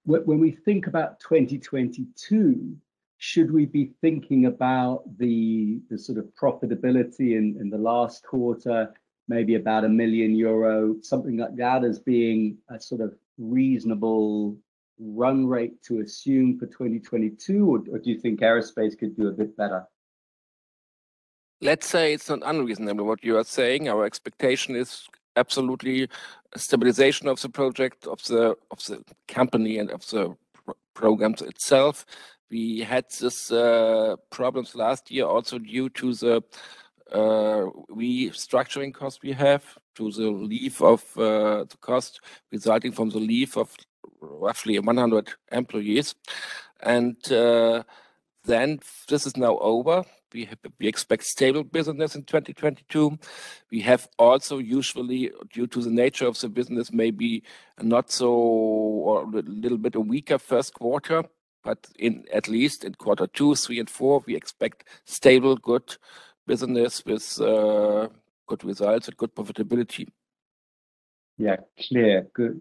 When we think about 2022, should we be thinking about the sort of profitability in the last quarter, maybe about 1 million euro, something like that, as being a sort of reasonable run rate to assume for 2022, or do you think Aerospace could do a bit better? Let's say it's not unreasonable what you are saying. Our expectation is absolutely stabilization of the project, of the company, and of the programs itself. We had these problems last year also due to the restructuring costs, the cost resulting from the leave of roughly 100 employees. This is now over. We expect stable business in 2022. We have also usually, due to the nature of the business, maybe not so or a little bit weaker first quarter, but at least in quarter two, three and four, we expect stable, good business with good results and good profitability. Yeah. Clear. Good.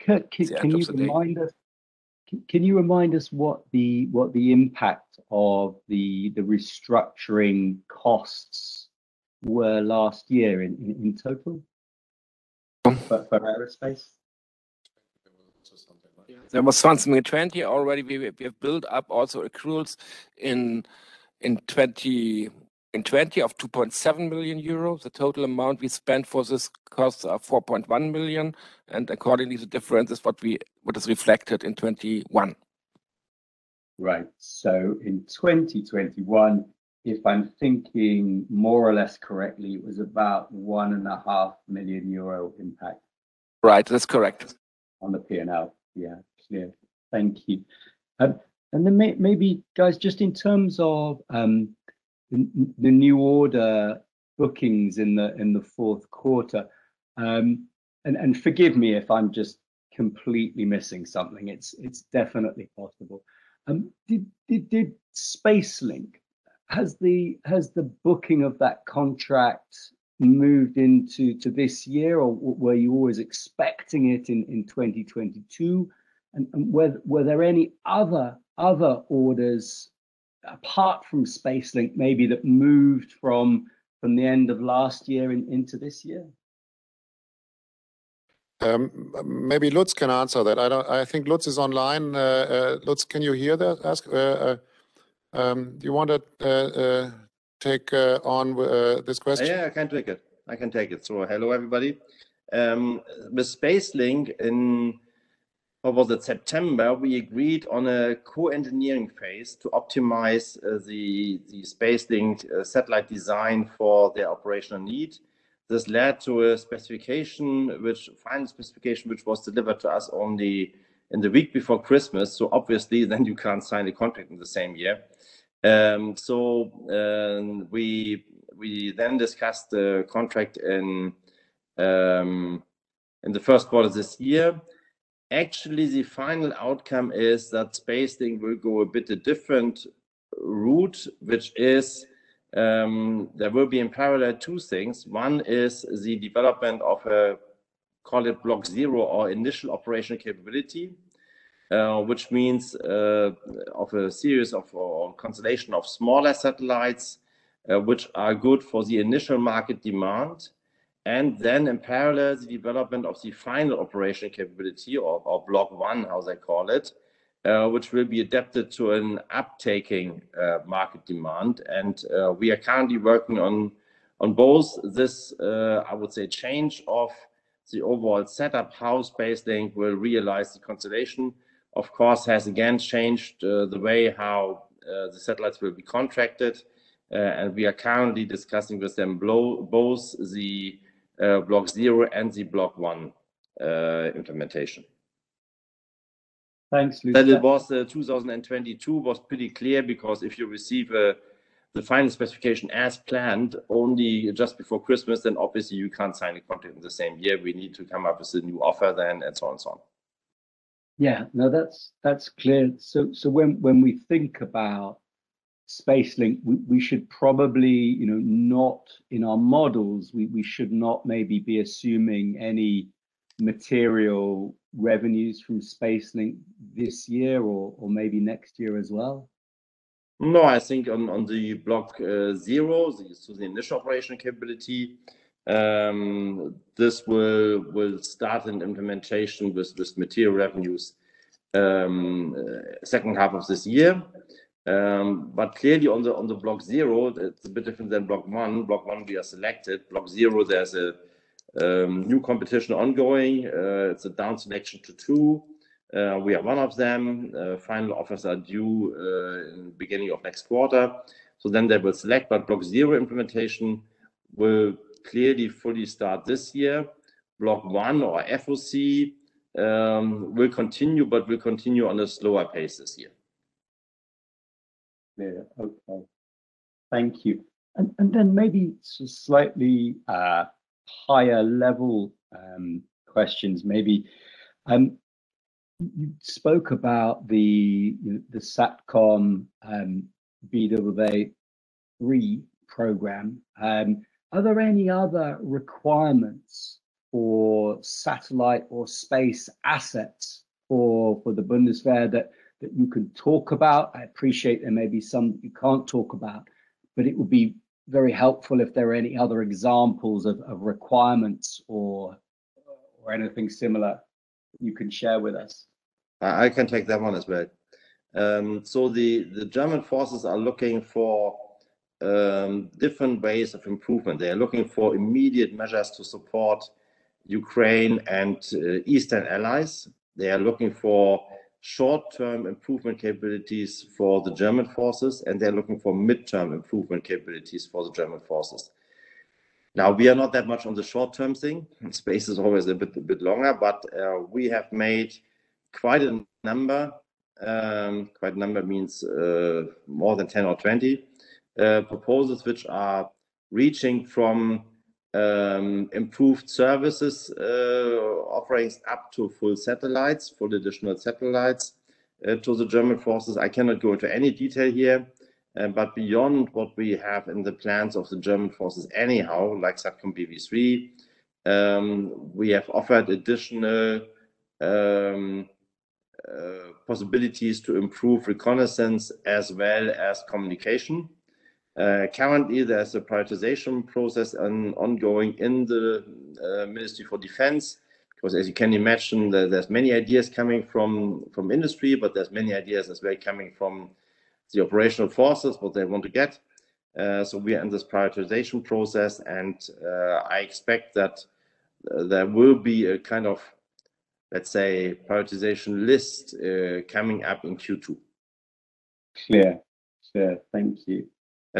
Kurt, can you remind us what the impact of the restructuring costs were last year in total for Aerospace? There was something like. There was something in 2020 already. We have built up also accruals in 2020 of 2.7 million euros. The total amount we spent for this cost are 4.1 million, and accordingly the difference is what is reflected in 2021. Right. In 2021, if I'm thinking more or less correctly, it was about 1.5 million euro impact. Right. That's correct. On the P&L. Yeah. Clear. Thank you. Maybe, guys, just in terms of the new order bookings in the fourth quarter, and forgive me if I'm just completely missing something. It's definitely possible. Did SpaceLink has the booking of that contract moved into this year, or were you always expecting it in 2022? Were there any other orders apart from SpaceLink maybe that moved from the end of last year into this year? Maybe Lutz can answer that. I think Lutz is online. Lutz, can you hear the ask? Do you want to take on this question? I can take it. Hello, everybody. With SpaceLink in, what was it, September, we agreed on a co-engineering phase to optimize the SpaceLink satellite design for their operational need. This led to a final specification which was delivered to us only in the week before Christmas, so obviously, you can't sign a contract in the same year. We then discussed the contract in the first quarter of this year. Actually, the final outcome is that SpaceLink will go a bit different route, which is, there will be in parallel two things. One is the development of a, call it Block 0 or initial operational capability, which means, of a series of or constellation of smaller satellites, which are good for the initial market demand. In parallel, the development of the final operational capability or Block 1, as I call it, which will be adapted to an uptaking market demand. We are currently working on both. This, I would say, change of the overall setup, how SpaceLink will realize the constellation, of course, has again changed the way how the satellites will be contracted. We are currently discussing with them both the Block 0 and the Block 1 implementation. Thanks, Lutz. 2022 was pretty clear because if you receive the final specification as planned only just before Christmas, then obviously you can't sign a contract in the same year. We need to come up with a new offer then, and so on and so on. Yeah. No, that's clear. When we think about SpaceLink, we should probably, you know, not in our models, we should not maybe be assuming any material revenues from SpaceLink this year or maybe next year as well. No, I think on the Block 0, so the initial operational capability, this will start an implementation with material revenues second half of this year. But clearly on the Block 0, it's a bit different than Block 1. Block 1, we are selected. Block 0, there's a new competition ongoing. It's a down-selection to 2. We are one of them. Final offers are due in beginning of next quarter. Then they will select, but Block 0 implementation will clearly fully start this year. Block 1 or FOC will continue on a slower pace this year. Yeah. Okay. Thank you. Maybe some slightly higher level questions maybe. You spoke about the SATCOMBw 3 program. Are there any other requirements for satellite or space assets for the Bundeswehr that you can talk about? I appreciate there may be some that you can't talk about, but it would be very helpful if there are any other examples of requirements or anything similar you can share with us. I can take that one as well. The German forces are looking for different ways of improvement. They are looking for immediate measures to support Ukraine and Eastern allies. They are looking for short-term improvement capabilities for the German forces, and they are looking for mid-term improvement capabilities for the German forces. Now, we are not that much on the short-term thing. Space is always a bit longer, but we have made quite a number means more than 10 or 20 proposals which are reaching from improved services offerings up to full satellites, full additional satellites to the German forces. I cannot go into any detail here, but beyond what we have in the plans of the German forces anyhow, like SATCOMBw 3, we have offered additional possibilities to improve reconnaissance as well as communication. Currently, there's a prioritization process ongoing in the Ministry of Defence, 'cause as you can imagine, there's many ideas coming from industry, but there's many ideas as well coming from the operational forces, what they want to get. We are in this prioritization process, and I expect that there will be a kind of, let's say, prioritization list coming up in Q2. Clear. Yeah. Thank you.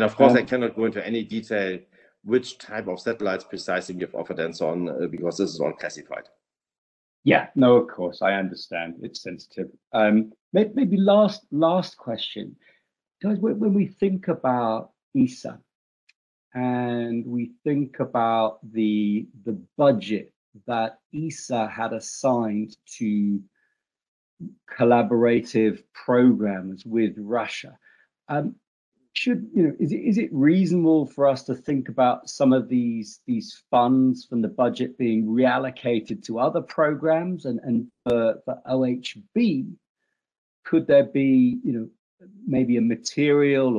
Of course, I cannot go into any detail which type of satellites precisely we have offered and so on, because this is all classified. Yeah. No, of course, I understand. It's sensitive. Maybe last question. Guys, when we think about ESA, and we think about the budget that ESA had assigned to collaborative programs with Russia, you know, is it reasonable for us to think about some of these funds from the budget being reallocated to other programs and for OHB, could there be, you know, maybe a material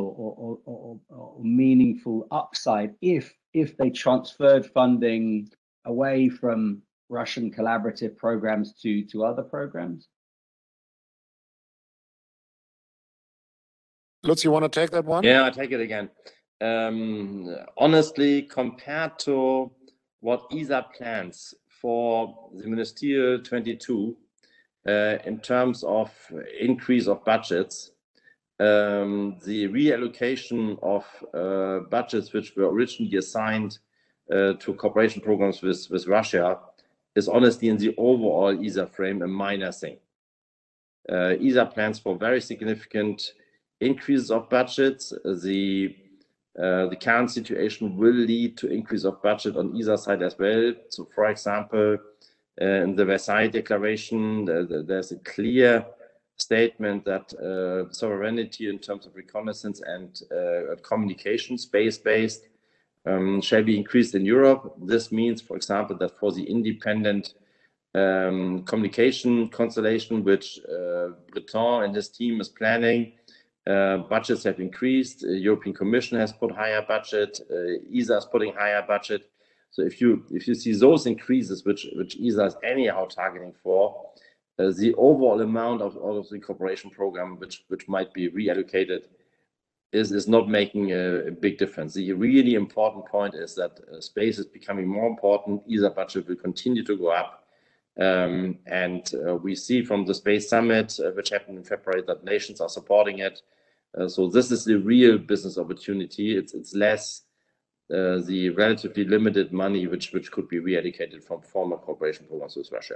or meaningful upside if they transferred funding away from Russian collaborative programs to other programs? Lutz, you wanna take that one? Yeah. I'll take it again. Honestly, compared to what ESA plans for the Ministerial 2022, in terms of increase of budgets, the reallocation of budgets which were originally assigned to cooperation programs with Russia is honestly in the overall ESA frame a minor thing. ESA plans for very significant increase of budgets. The current situation will lead to increase of budget on ESA side as well. For example, in the Versailles Declaration, there's a clear statement that sovereignty in terms of reconnaissance and communication space-based shall be increased in Europe. This means, for example, that for the independent communication constellation, which Thierry Breton and his team is planning, budgets have increased. European Commission has put higher budget, ESA is putting higher budget. If you see those increases, which ESA is anyhow targeting for, the overall amount of all of the cooperation program which might be reallocated is not making a big difference. The really important point is that space is becoming more important. ESA budget will continue to go up. We see from the space summit which happened in February that nations are supporting it. This is the real business opportunity. It's less the relatively limited money which could be reallocated from former cooperation programs with Russia.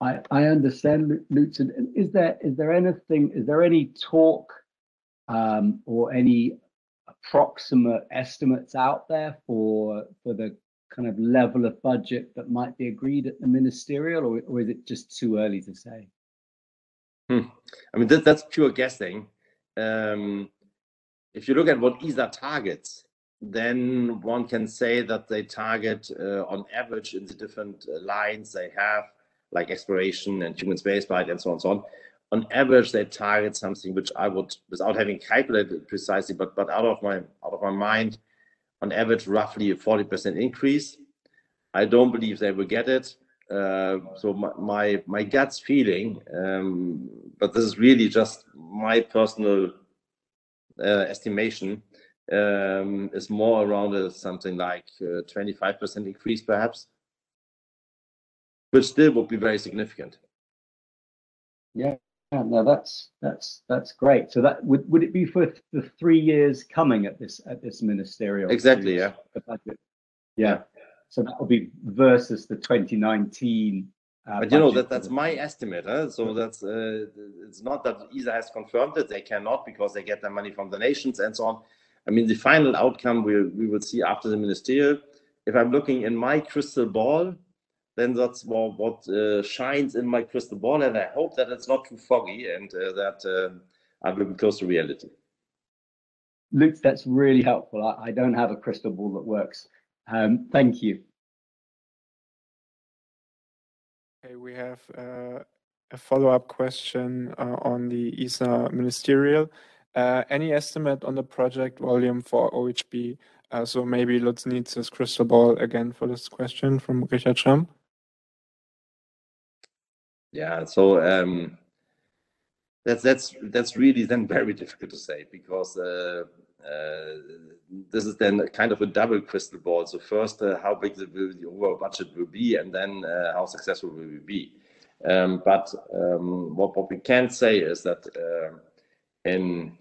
I understand, Lutz. Is there any talk or any approximate estimates out there for the kind of level of budget that might be agreed at the Ministerial, or is it just too early to say? I mean, that's pure guessing. If you look at what ESA targets, then one can say that they target, on average in the different lines they have, like exploration and human space flight and so on and so on average, they target something which I would, without having calculated precisely, but out of my mind, on average, roughly a 40% increase. I don't believe they will get it. So my gut's feeling, but this is really just my personal estimation, is more around, something like, a 25% increase perhaps. Which still will be very significant. Yeah. No, that's great. Would it be for the three years coming at this ministerial- Exactly. Yeah. to set the budget? Yeah. That will be versus the 2019 budget. You know, that's my estimate. That's it's not that ESA has confirmed it. They cannot because they get their money from the nations and so on. I mean, the final outcome we will see after the ministerial. If I'm looking in my crystal ball, then that's more what shines in my crystal ball, and I hope that it's not too foggy and that I'm looking close to reality. Lutz, that's really helpful. I don't have a crystal ball that works. Thank you. Okay. We have a follow-up question on the ESA Ministerial. Any estimate on the project volume for OHB? Maybe Lutz needs his crystal ball again for this question from Richard Schramm. Yeah. That's really then very difficult to say because this is then kind of a double crystal ball. First, how big the overall budget will be, and then, how successful will we be. What we can say is that in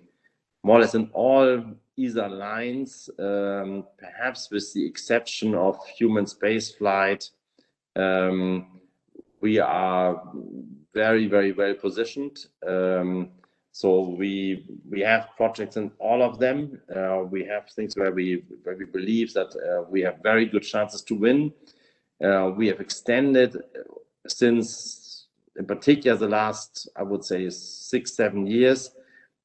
more or less all ESA lines, perhaps with the exception of human space flight, we are very well positioned. We have projects in all of them. We have things where we believe that we have very good chances to win. We have extended since, in particular, the last, I would say six, seven years,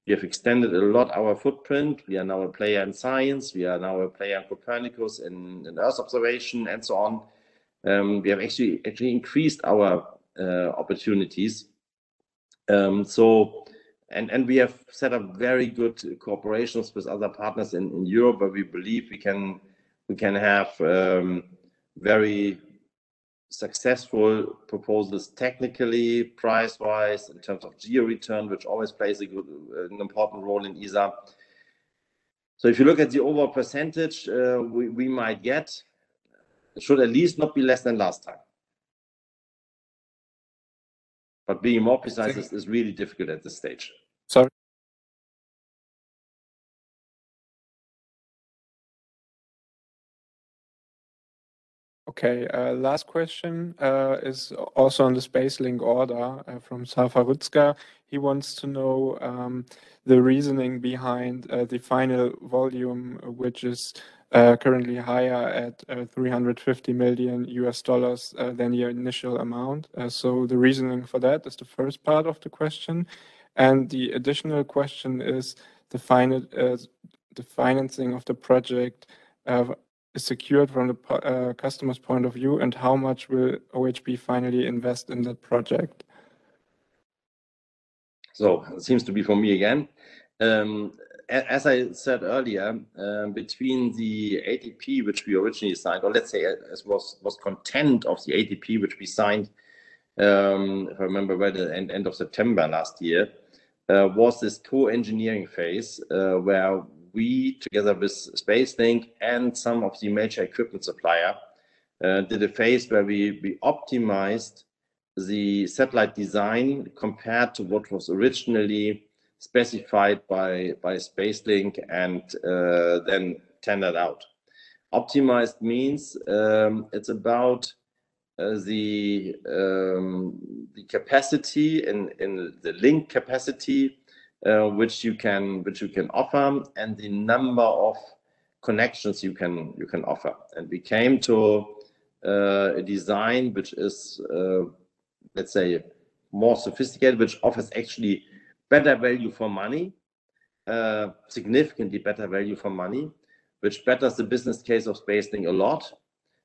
we have extended a lot our footprint. We are now a player in science. We are now a player for Copernicus in Earth observation and so on. We have actually increased our opportunities. We have set up very good cooperations with other partners in Europe where we believe we can have very successful proposals technically, price-wise, in terms of geo return, which always plays a good, an important role in ESA. If you look at the overall percentage, we might get, it should at least not be less than last time. Being more precise is really difficult at this stage. Sorry. Okay, last question is also on the SpaceLink order from Zafer Rüzgar. He wants to know the reasoning behind the final volume, which is currently higher at $350 million than your initial amount. The reasoning for that is the first part of the question, and the additional question is the financing of the project is secured from the customer's point of view and how much will OHB finally invest in that project? It seems to be for me again. As I said earlier, between the ATP which we originally signed or let's say as was content of the ATP which we signed, if I remember well, at end of September last year, was this core engineering phase, where we together with SpaceLink and some of the major equipment supplier did a phase where we optimized the satellite design compared to what was originally specified by SpaceLink and then tendered out. Optimized means, it's about the capacity and the link capacity which you can offer, and the number of connections you can offer. We came to a design which is, let's say more sophisticated, which offers actually better value for money, significantly better value for money, which betters the business case of SpaceLink a lot,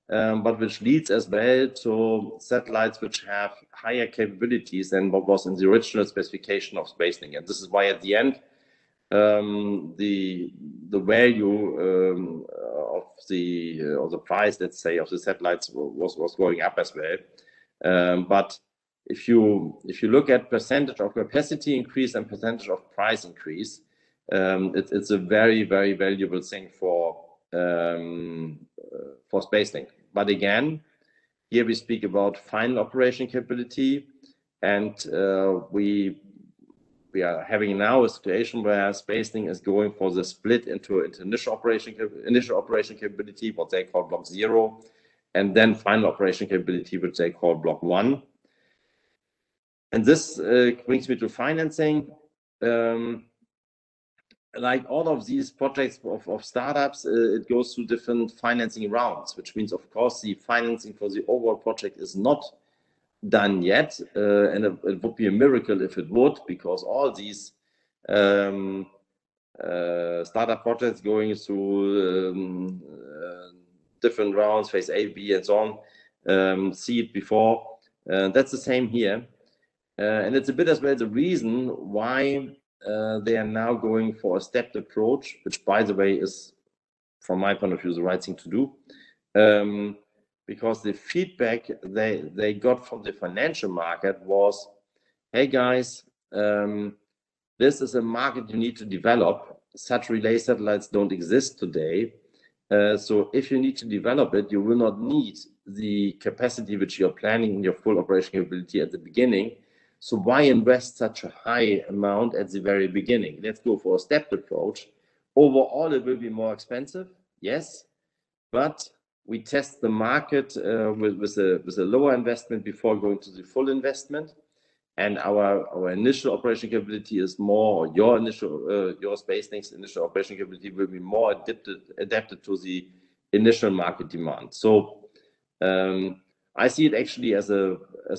but which leads as well to satellites which have higher capabilities than what was in the original specification of SpaceLink. This is why at the end, the value of the price, let's say, of the satellites was going up as well. If you look at percentage of capacity increase and percentage of price increase, it's a very, very valuable thing for SpaceLink. Again, here we speak about final operational capability and we are having now a situation where SpaceLink is going for the split into its initial operational capability, what they call Block 0, and then final operational capability, which they call Block 1. This brings me to financing. Like all of these projects of startups, it goes through different financing rounds, which means of course the financing for the overall project is not done yet. It would be a miracle if it would, because all these startup projects going through different rounds, phase A, B and so on, seen it before. That's the same here. It's a bit as well the reason why they are now going for a stepped approach, which by the way is from my point of view the right thing to do, because the feedback they got from the financial market was, "Hey guys, this is a market you need to develop. Such relay satellites don't exist today. So if you need to develop it, you will not need the capacity which you're planning in your full operational capability at the beginning. So why invest such a high amount at the very beginning? Let's go for a stepped approach." Overall, it will be more expensive, yes, but we test the market with a lower investment before going to the full investment. Your SpaceLink's initial operational capability will be more adapted to the initial market demand. I see it actually as a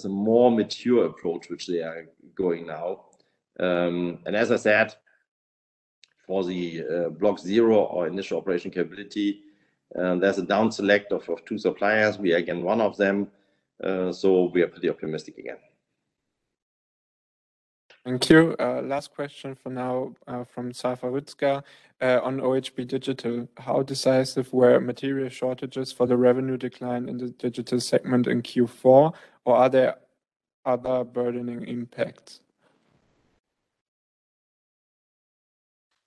more mature approach, which they are going now. As I said, for the Block 0 or initial operational capability, there's a down select of two suppliers. We are again one of them, so we are pretty optimistic again. Thank you. Last question for now, from Zafer Rüzgar, on OHB Digital. How decisive were material shortages for the revenue decline in the digital segment in Q4 or are there other burdening impacts?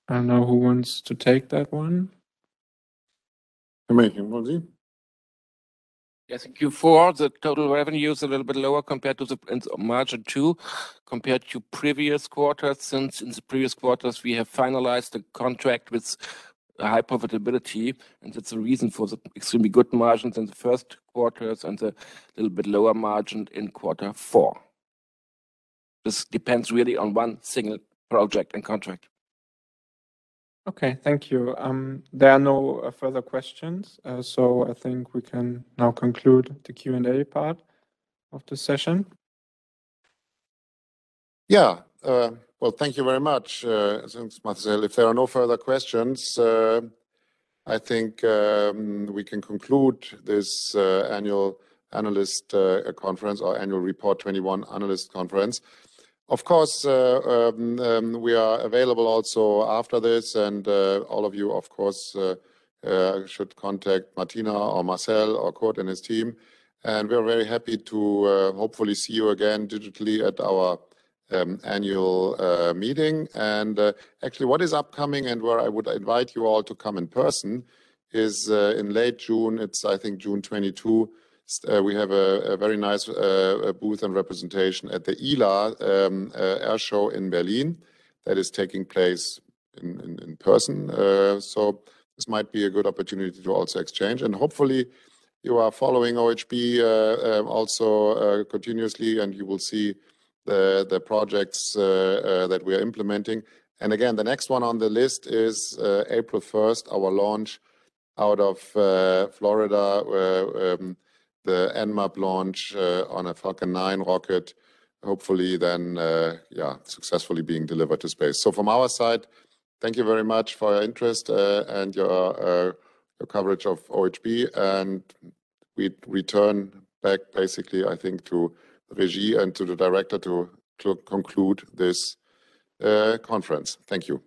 I don't know who wants to take that one? Kurt will you? Yes, in Q4 the total revenue is a little bit lower, the margin, too, compared to previous quarters, since in the previous quarters we have finalized a contract with a high profitability, and that's the reason for the extremely good margins in the first quarters and the little bit lower margin in Q4. This depends really on one single project and contract. Okay. Thank you. There are no further questions, so I think we can now conclude the Q&A part of the session. Yeah. Well, thank you very much. Since Marcel, if there are no further questions, I think we can conclude this annual analyst conference or annual report 2021 analyst conference. Of course, we are available also after this and all of you of course should contact Martina or Marcel or Kurt and his team. We are very happy to hopefully see you again digitally at our annual meeting. Actually, what is upcoming and where I would invite you all to come in person is in late June, it's I think June 22nd, we have a very nice booth and representation at the ILA air show in Berlin that is taking place in person. This might be a good opportunity to also exchange and hopefully you are following OHB also continuously and you will see the projects that we are implementing. Again, the next one on the list is April 1st, our launch out of Florida, the EnMAP launch on a Falcon 9 rocket hopefully then yeah successfully being delivered to space. From our side, thank you very much for your interest, and your coverage of OHB and we return back basically, I think, to Reggie and to the director to conclude this conference. Thank you.